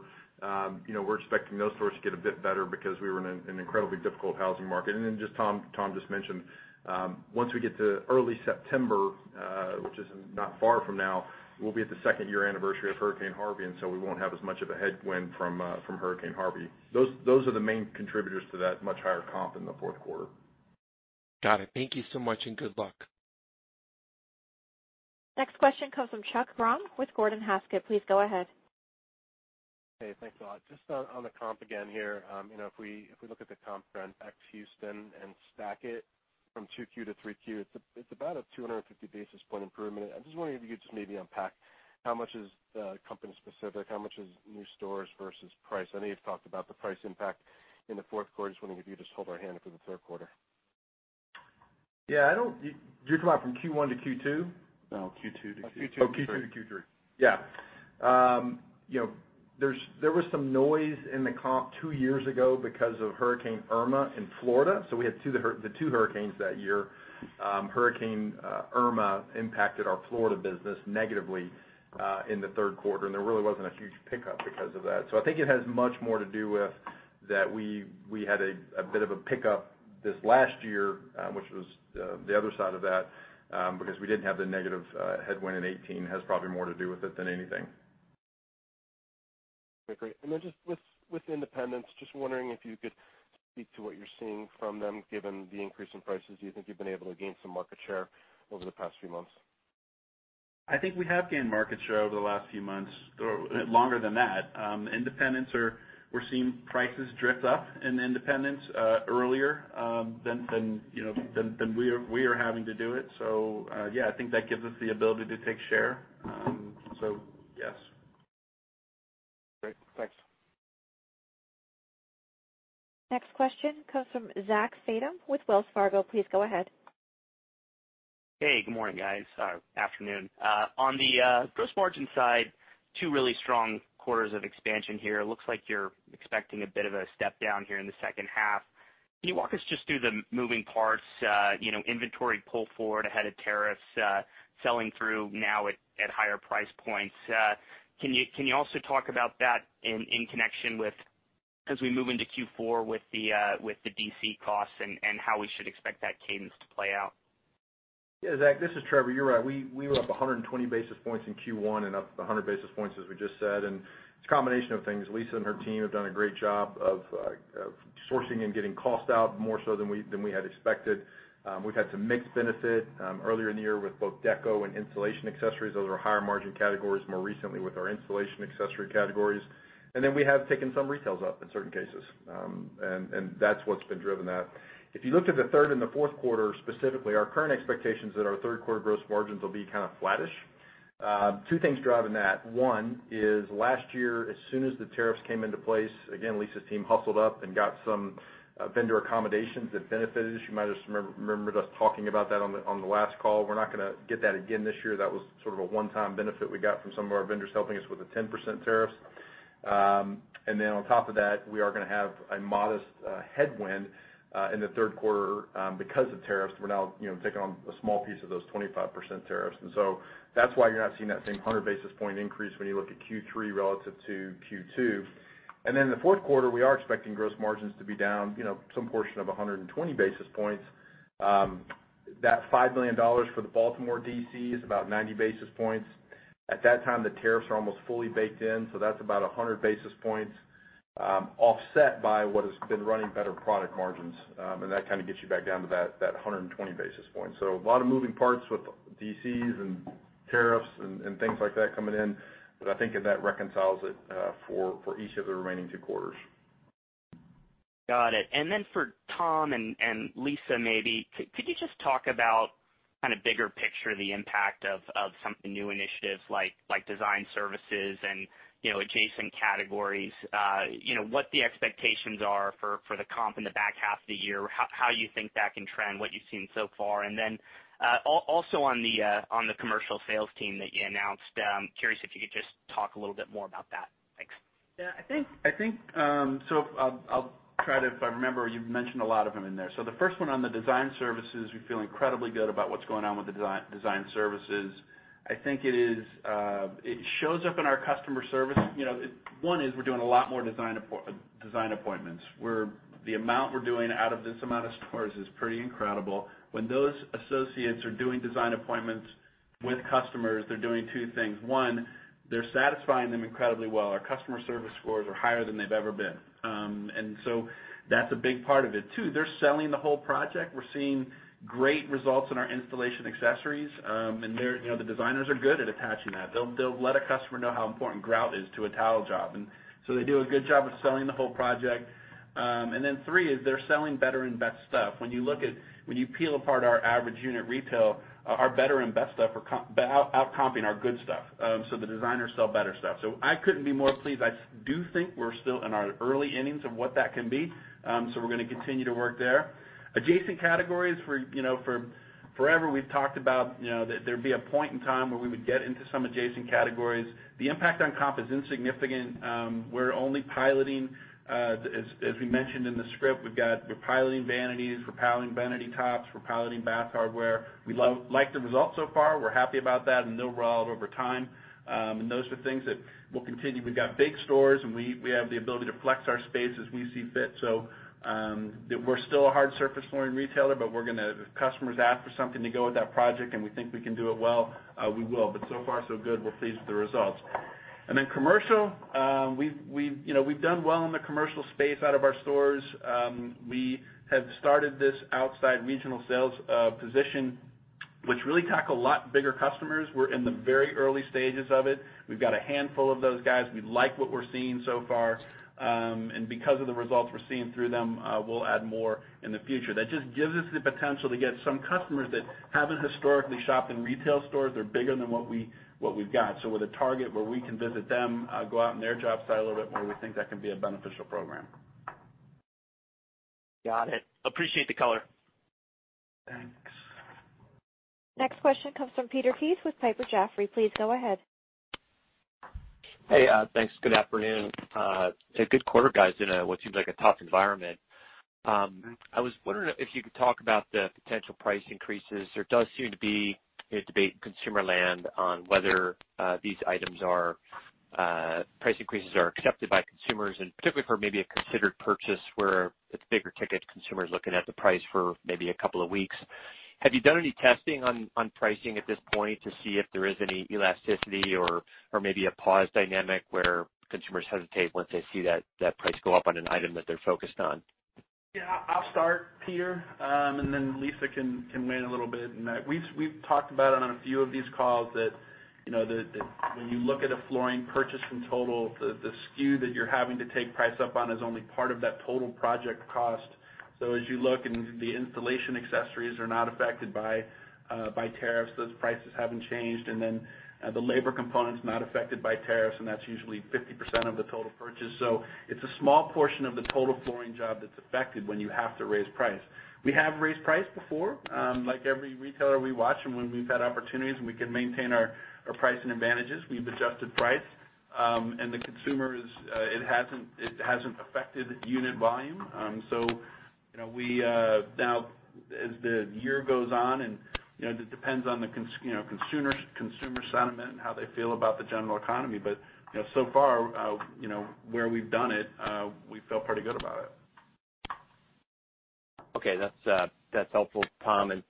we're expecting those stores to get a bit better because we were in an incredibly difficult housing market. Tom just mentioned, once we get to early September, which is not far from now, we'll be at the second-year anniversary of Hurricane Harvey, and so we won't have as much of a headwind from Hurricane Harvey. Those are the main contributors to that much higher comp in the fourth quarter. Got it. Thank you so much, and good luck. Next question comes from Chuck Grom with Gordon Haskett. Please go ahead. Hey, thanks a lot. Just on the comp again here. If we look at the comp run ex Houston and stack it from 2Q to 3Q, it's about a 250 basis point improvement. I just wonder if you could just maybe unpack how much is company specific, how much is new stores versus price? I know you've talked about the price impact in the fourth quarter. Just wondering if you could just hold our hand for the third quarter. Yeah. You're talking about from Q1 to Q2? No, Q2 to Q3. Q2 to Q3. Q2 to Q3. Yeah. There was some noise in the comp two years ago because of Hurricane Irma in Florida. We had the two hurricanes that year. Hurricane Irma impacted our Florida business negatively in the third quarter, and there really wasn't a huge pickup because of that. I think it has much more to do with that we had a bit of a pickup this last year, which was the other side of that, because we didn't have the negative headwind in 2018, has probably more to do with it than anything. Okay, great. Just with independents, just wondering if you could speak to what you're seeing from them, given the increase in prices. Do you think you've been able to gain some market share over the past few months? I think we have gained market share over the last few months, or longer than that. Independents, we're seeing prices drift up in independents earlier than we are having to do it. Yeah, I think that gives us the ability to take share. Yes. Great. Thanks. Next question comes from Zack with Wells Fargo. Please go ahead. Hey, good morning, guys. Afternoon. On the gross margin side, two really strong quarters of expansion here. Looks like you're expecting a bit of a step down here in the second half. Can you walk us just through the moving parts, inventory pull forward ahead of tariffs, selling through now at higher price points? Can you also talk about that in connection with, as we move into Q4 with the DC costs and how we should expect that cadence to play out? Zack, this is Trevor. You're right. We were up 120 basis points in Q1 and up 100 basis points, as we just said. It's a combination of things. Lisa and her team have done a great job of sourcing and getting cost out more so than we had expected. We've had some mixed benefit earlier in the year with both deco and installation accessories. Those are higher margin categories, more recently with our installation accessory categories. We have taken some retails up in certain cases. That's what's been driven that. If you looked at the third and the fourth quarter, specifically, our current expectations that our third quarter gross margins will be kind of flattish. Two things driving that. One is last year, as soon as the tariffs came into place, again, Lisa's team hustled up and got some vendor accommodations that benefited us. You might have just remembered us talking about that on the last call. We're not going to get that again this year. That was sort of a one-time benefit we got from some of our vendors helping us with the 10% tariffs. On top of that, we are going to have a modest headwind in the third quarter because of tariffs. We're now taking on a small piece of those 25% tariffs, that's why you're not seeing that same 100 basis point increase when you look at Q3 relative to Q2. The fourth quarter, we are expecting gross margins to be down some portion of 120 basis points. That $5 million for the Baltimore DC is about 90 basis points. At that time, the tariffs are almost fully baked in, so that's about 100 basis points offset by what has been running better product margins. That kind of gets you back down to that 120 basis points. A lot of moving parts with DCs and tariffs and things like that coming in. I think that reconciles it for each of the remaining two quarters. Got it. For Tom and Lisa, maybe, could you just talk about kind of bigger picture, the impact of some of the new initiatives like Design Services and adjacent categories? What the expectations are for the comp in the back half of the year, how you think that can trend, what you've seen so far? Also on the Commercial Sales Team that you announced, curious if you could just talk a little bit more about that. Thanks. Yeah, I think, I'll try to If I remember, you've mentioned a lot of them in there. The first one on the design services, we feel incredibly good about what's going on with the design services. I think it shows up in our customer service. One is we're doing a lot more design appointments, where the amount we're doing out of this amount of stores is pretty incredible. When those associates are doing design appointments with customers, they're doing two things. One, they're satisfying them incredibly well. Our customer service scores are higher than they've ever been. That's a big part of it. Two, they're selling the whole project. We're seeing great results in our installation accessories. The designers are good at attaching that. They'll let a customer know how important grout is to a tile job, and so they do a good job of selling the whole project. Three is they're selling better and best stuff. When you peel apart our average unit retail, our better and best stuff are out-comping our good stuff. The designers sell better stuff. I couldn't be more pleased. I do think we're still in our early innings of what that can be, so we're going to continue to work there. Adjacent categories, for forever we've talked about that there'd be a point in time where we would get into some adjacent categories. The impact on comp is insignificant. We're only piloting, as we mentioned in the script, we're piloting vanities, we're piloting vanity tops, we're piloting bath hardware. We like the results so far. We're happy about that and they'll roll out over time. Those are things that will continue. We've got big stores, and we have the ability to flex our space as we see fit. We're still a hard surface flooring retailer, but if customers ask for something to go with that project and we think we can do it well, we will. So far, so good. We're pleased with the results. Commercial, we've done well in the commercial space out of our stores. We have started this outside regional sales position, which really tackle a lot bigger customers. We're in the very early stages of it. We've got a handful of those guys. We like what we're seeing so far. Because of the results we're seeing through them, we'll add more in the future. That just gives us the potential to get some customers that haven't historically shopped in retail stores. They're bigger than what we've got. With a target where we can visit them, go out in their job site a little bit more, we think that can be a beneficial program. Got it. Appreciate the color. Thanks. Next question comes from Peter Keith with Piper Jaffray. Please go ahead. Hey, thanks. Good afternoon. A good quarter, guys, in what seems like a tough environment. I was wondering if you could talk about the potential price increases. There does seem to be a debate in consumer land on whether price increases are accepted by consumers, particularly for maybe a considered purchase where it's a bigger ticket, consumer's looking at the price for maybe a couple of weeks. Have you done any testing on pricing at this point to see if there is any elasticity or maybe a pause dynamic where consumers hesitate once they see that price go up on an item that they're focused on? Yeah, I'll start, Peter. Then Lisa can weigh in a little bit. We've talked about it on a few of these calls that when you look at a flooring purchase in total, the SKU that you're having to take price up on is only part of that total project cost. As you look, the installation accessories are not affected by tariffs, those prices haven't changed, the labor component's not affected by tariffs, and that's usually 50% of the total purchase. It's a small portion of the total flooring job that's affected when you have to raise price. We have raised price before. Like every retailer we watch and when we've had opportunities and we can maintain our pricing advantages, we've adjusted price. The consumer, it hasn't affected unit volume. As the year goes on, and it depends on the consumer sentiment and how they feel about the general economy. So far, where we've done it, we feel pretty good about it. Okay, that's helpful, Tom.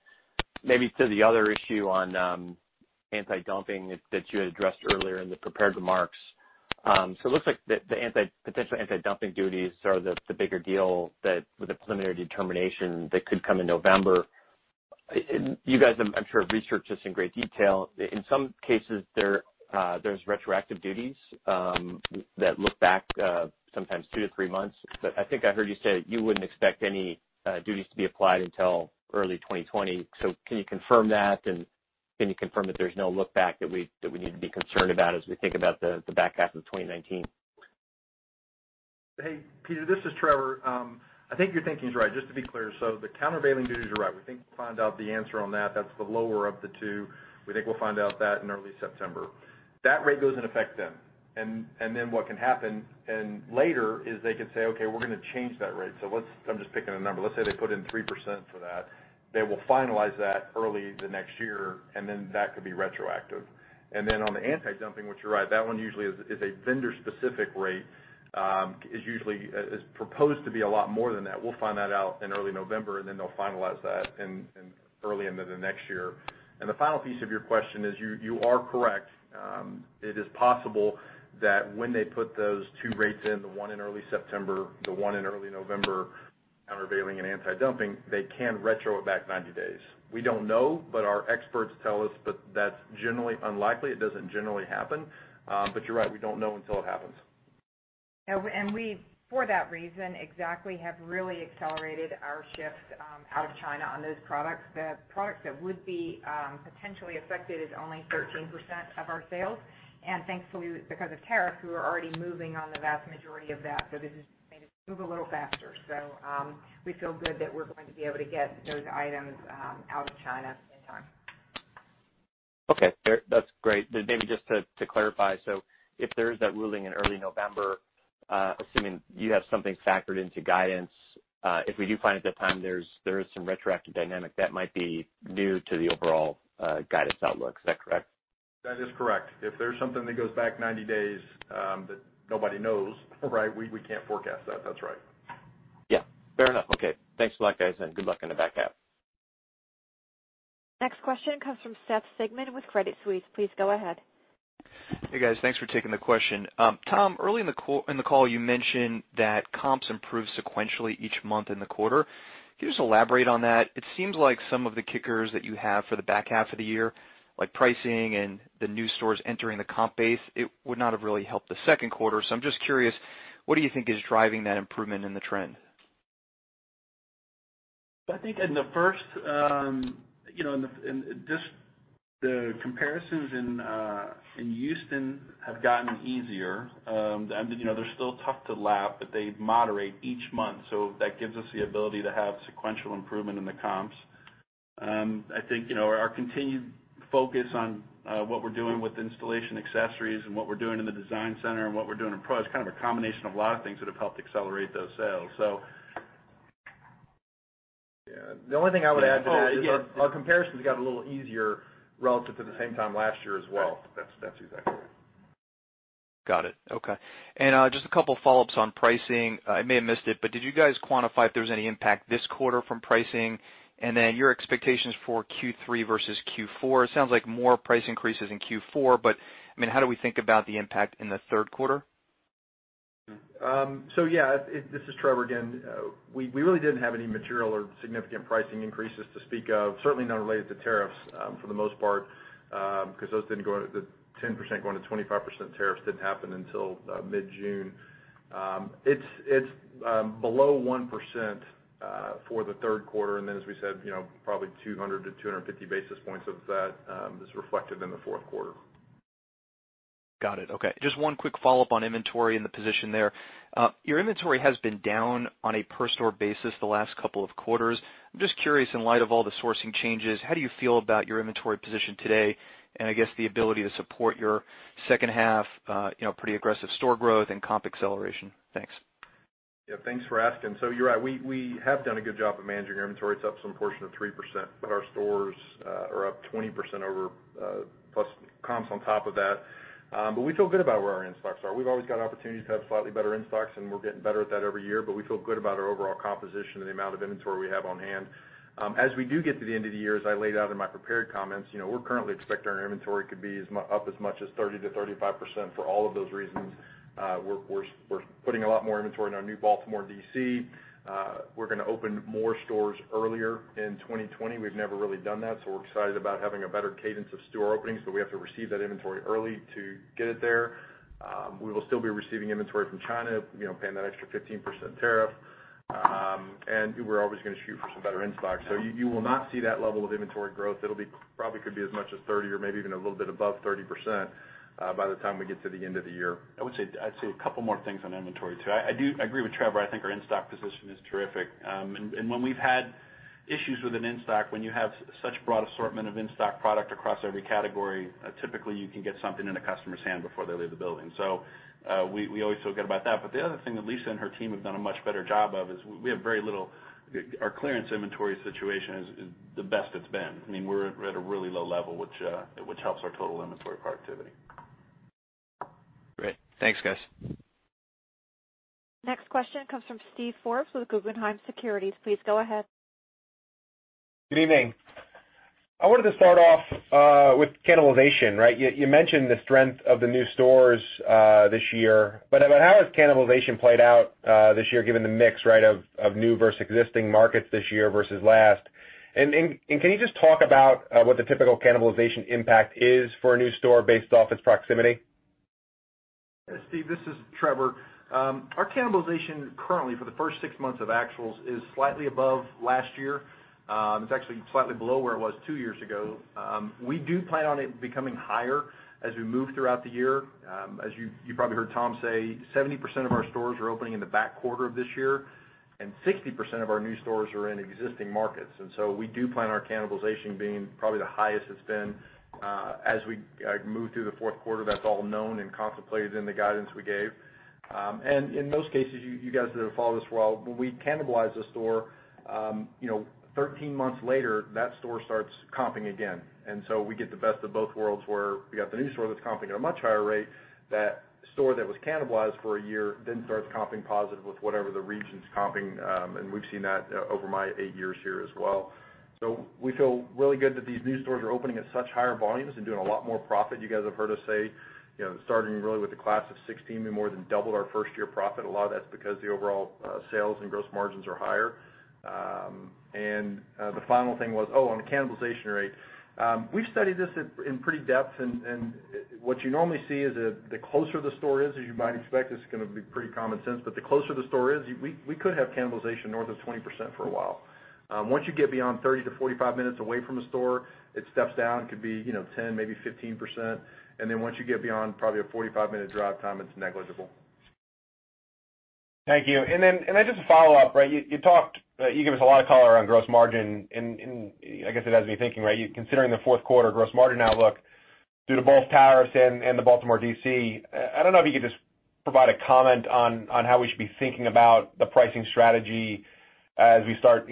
Maybe to the other issue on anti-dumping that you had addressed earlier in the prepared remarks. It looks like the potential anti-dumping duties are the bigger deal that with the preliminary determination that could come in November. You guys, I'm sure, have researched this in great detail. In some cases, there's retroactive duties that look back sometimes 2-3 months. I think I heard you say that you wouldn't expect any duties to be applied until early 2020. Can you confirm that, and can you confirm that there's no look back that we need to be concerned about as we think about the back half of 2019? Hey, Peter, this is Trevor. I think your thinking's right, just to be clear. The countervailing duties are right. We think we'll find out the answer on that. That's the lower of the two. We think we'll find out that in early September. That rate goes in effect then. What can happen, and later, is they could say, "Okay, we're going to change that rate." I'm just picking a number. Let's say they put in 3% for that. They will finalize that early the next year, and then that could be retroactive. On the anti-dumping, which you're right, that one usually is a vendor-specific rate, is proposed to be a lot more than that. We'll find that out in early November, and then they'll finalize that in early into the next year. The final piece of your question is, you are correct. It is possible that when they put those two rates in, the one in early September, the one in early November, countervailing and anti-dumping, they can retro it back 90 days. We don't know, our experts tell us that that's generally unlikely. It doesn't generally happen. You're right, we don't know until it happens. We, for that reason, exactly, have really accelerated our shift out of China on those products. The products that would be potentially affected is only 13% of our sales. Thankfully, because of tariffs, we were already moving on the vast majority of that. This has made us move a little faster. We feel good that we're going to be able to get those items out of China in time. Okay. That's great. Maybe just to clarify, if there is that ruling in early November, assuming you have something factored into guidance, if we do find at that time there is some retroactive dynamic that might be new to the overall guidance outlook. Is that correct? That is correct. If there's something that goes back 90 days that nobody knows, right, we can't forecast that. That's right. Yeah. Fair enough. Okay. Thanks a lot, guys, and good luck in the back half. Next question comes from Seth Sigman with Credit Suisse. Please go ahead. Hey, guys. Thanks for taking the question. Tom, early in the call, you mentioned that comps improved sequentially each month in the quarter. Can you just elaborate on that? It seems like some of the kickers that you have for the back half of the year, like pricing and the new stores entering the comp base, it would not have really helped the second quarter. I'm just curious, what do you think is driving that improvement in the trend? I think in the first, just the comparisons in Houston have gotten easier. They're still tough to lap, but they moderate each month. That gives us the ability to have sequential improvement in the comps. I think our continued focus on what we're doing with installation accessories and what we're doing in the design center and what we're doing in Pro is kind of a combination of a lot of things that have helped accelerate those sales. The only thing I would add to that is our comparisons got a little easier relative to the same time last year as well. That's exactly right. Got it. Okay. Just a couple follow-ups on pricing. I may have missed it, but did you guys quantify if there was any impact this quarter from pricing? Your expectations for Q3 versus Q4, it sounds like more price increases in Q4, but how do we think about the impact in the third quarter? Yeah. This is Trevor again. We really didn't have any material or significant pricing increases to speak of, certainly not related to tariffs for the most part because the 10% going to 25% tariffs didn't happen until mid-June. It's below 1% for the third quarter. As we said, probably 200 to 250 basis points of that is reflected in the fourth quarter. Got it. Okay. Just one quick follow-up on inventory and the position there. Your inventory has been down on a per store basis the last couple of quarters. I'm just curious, in light of all the sourcing changes, how do you feel about your inventory position today and I guess the ability to support your second half pretty aggressive store growth and comp acceleration? Thanks. Yeah, thanks for asking. You're right. We have done a good job of managing our inventory. It's up some portion of 3%, but our stores are up 20% over plus comps on top of that. We feel good about where our in stocks are. We've always got opportunities to have slightly better in stocks, and we're getting better at that every year, but we feel good about our overall composition and the amount of inventory we have on hand. As we do get to the end of the year, as I laid out in my prepared comments, we're currently expecting our inventory could be up as much as 30%-35% for all of those reasons. We're putting a lot more inventory in our new Baltimore D.C. We're going to open more stores earlier in 2020. We've never really done that, so we're excited about having a better cadence of store openings, but we have to receive that inventory early to get it there. We will still be receiving inventory from China, paying that extra 15% tariff. We're always going to shoot for some better in stocks. You will not see that level of inventory growth. It probably could be as much as 30% or maybe even a little bit above 30% by the time we get to the end of the year. I would say, I'd say a couple more things on inventory, too. I agree with Trevor. I think our in-stock position is terrific. When we've had issues with an in stock, when you have such broad assortment of in-stock product across every category, typically you can get something in a customer's hand before they leave the building. We always feel good about that. The other thing that Lisa and her team have done a much better job of is our clearance inventory situation is the best it's been. We're at a really low level, which helps our total inventory productivity. Great. Thanks, guys. Next question comes from Steve Forbes with Guggenheim Securities. Please go ahead. Good evening. I wanted to start off with cannibalization, right? You mentioned the strength of the new stores this year, how has cannibalization played out this year, given the mix, right, of new versus existing markets this year versus last? Can you just talk about what the typical cannibalization impact is for a new store based off its proximity? Steve, this is Trevor. Our cannibalization currently for the first six months of actuals is slightly above last year. It's actually slightly below where it was two years ago. We do plan on it becoming higher as we move throughout the year. As you probably heard Tom say, 70% of our stores are opening in the back quarter of this year, 60% of our new stores are in existing markets. We do plan our cannibalization being probably the highest it's been as we move through the fourth quarter. That's all known and contemplated in the guidance we gave. In most cases, you guys that have followed us well, when we cannibalize a store, 13 months later, that store starts comping again. We get the best of both worlds, where we got the new store that's comping at a much higher rate. That store that was cannibalized for a year then starts comping positive with whatever the region's comping. We've seen that over my eight years here as well. We feel really good that these new stores are opening at such higher volumes and doing a lot more profit. You guys have heard us say, starting really with the class of 2016, we more than doubled our first-year profit. A lot of that's because the overall sales and gross margins are higher. The final thing was, on the cannibalization rate, we've studied this in pretty depth, and what you normally see is that the closer the store is, as you might expect, this is going to be pretty common sense, but the closer the store is, we could have cannibalization north of 20% for a while. Once you get beyond 30 to 45 minutes away from a store, it steps down. Could be 10%, maybe 15%. Once you get beyond probably a 45-minute drive time, it's negligible. Thank you. Just a follow-up, right? You gave us a lot of color on gross margin and I guess it has me thinking, right, considering the fourth quarter gross margin outlook due to both tariffs and the Baltimore D.C., I don't know if you could just provide a comment on how we should be thinking about the pricing strategy as we start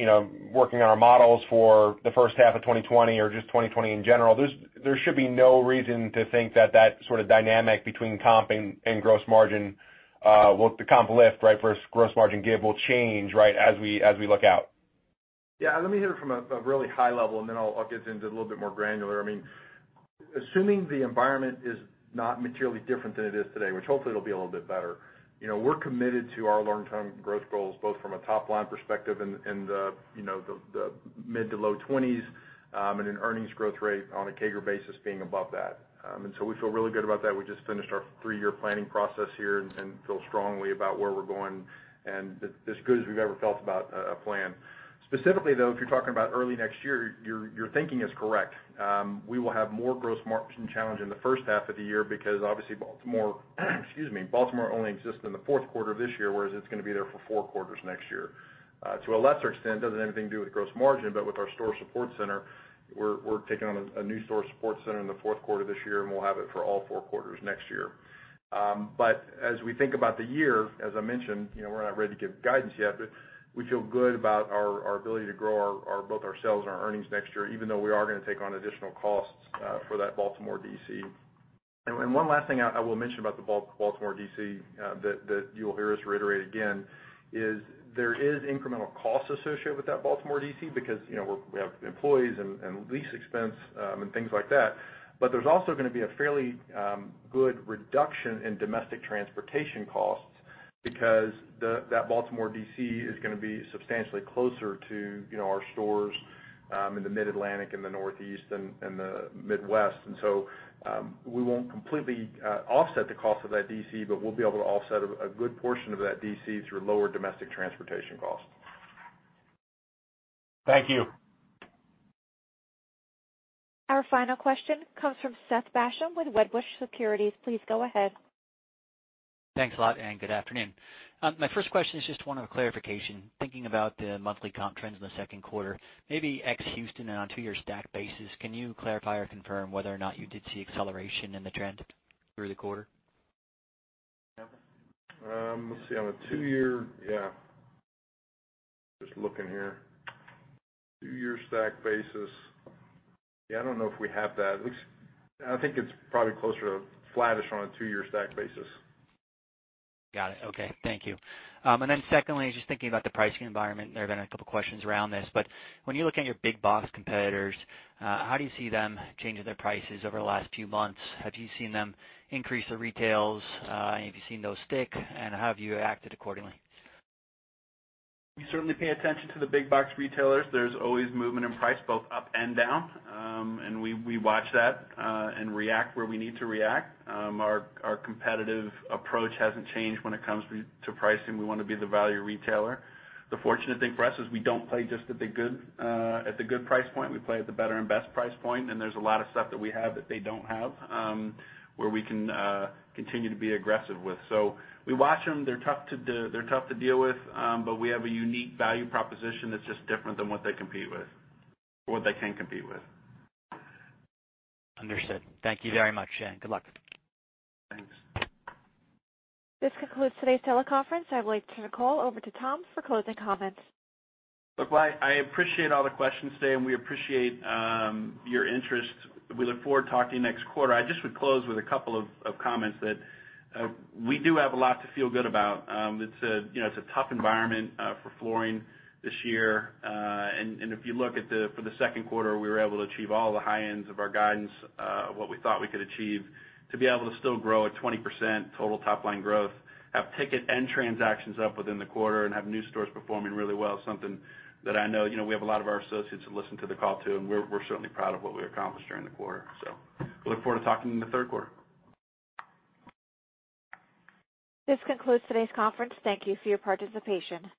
working on our models for the first half of 2020 or just 2020 in general. There should be no reason to think that that sort of dynamic between comp and gross margin, well, the comp lift, right, versus gross margin give will change, right, as we look out. Yeah. Let me hit it from a really high level, then I'll get into a little bit more granular. Assuming the environment is not materially different than it is today, which hopefully it'll be a little bit better, we're committed to our long-term growth goals, both from a top-line perspective in the mid to low 20s and an earnings growth rate on a CAGR basis being above that. We feel really good about that. We just finished our three-year planning process here and feel strongly about where we're going and as good as we've ever felt about a plan. Specifically, though, if you're talking about early next year, your thinking is correct. We will have more gross margin challenge in the first half of the year because obviously Baltimore excuse me, Baltimore only exists in the fourth quarter of this year, whereas it's going to be there for four quarters next year. To a lesser extent, doesn't have anything to do with gross margin, but with our store support center, we're taking on a new store support center in the fourth quarter this year, and we'll have it for all four quarters next year. As we think about the year, as I mentioned, we're not ready to give guidance yet, but we feel good about our ability to grow both our sales and our earnings next year, even though we are going to take on additional costs for that Baltimore DC. One last thing I will mention about the Baltimore DC that you'll hear us reiterate again, is there is incremental cost associated with that Baltimore DC because we have employees and lease expense and things like that. There's also going to be a fairly good reduction in domestic transportation costs because that Baltimore DC is going to be substantially closer to our stores in the Mid-Atlantic and the Northeast and the Midwest. We won't completely offset the cost of that DC, but we'll be able to offset a good portion of that DC through lower domestic transportation costs. Thank you. Our final question comes from Seth Basham with Wedbush Securities. Please go ahead. Thanks a lot, and good afternoon. My first question is just one of clarification. Thinking about the monthly comp trends in the second quarter, maybe ex-Houston and on a two-year stack basis, can you clarify or confirm whether or not you did see acceleration in the trend through the quarter? Let's see, on a two-year. Yeah. Just looking here. Two-year stack basis. Yeah, I don't know if we have that. I think it's probably closer to flattish on a two-year stack basis. Got it. Okay. Thank you. Secondly, just thinking about the pricing environment, there have been a couple questions around this, but when you look at your big box competitors, how do you see them changing their prices over the last few months? Have you seen them increase their retails? Have you seen those stick, and have you acted accordingly? We certainly pay attention to the big box retailers. There's always movement in price, both up and down. We watch that and react where we need to react. Our competitive approach hasn't changed when it comes to pricing. We want to be the value retailer. The fortunate thing for us is we don't play just at the good price point. We play at the better and best price point, and there's a lot of stuff that we have that they don't have, where we can continue to be aggressive with. We watch them. They're tough to deal with, but we have a unique value proposition that's just different than what they compete with or what they can compete with. Understood. Thank you very much, and good luck. Thanks. This concludes today's teleconference. I'd like to turn the call over to Tom for closing comments. I appreciate all the questions today. We appreciate your interest. We look forward to talking to you next quarter. I just would close with a couple of comments that we do have a lot to feel good about. It's a tough environment for flooring this year. If you look at for the second quarter, we were able to achieve all the high ends of our guidance, what we thought we could achieve. To be able to still grow at 20% total top-line growth, have ticket and transactions up within the quarter, and have new stores performing really well is something that I know we have a lot of our associates that listen to the call, too, and we're certainly proud of what we accomplished during the quarter. We look forward to talking to you in the third quarter. This concludes today's conference. Thank you for your participation.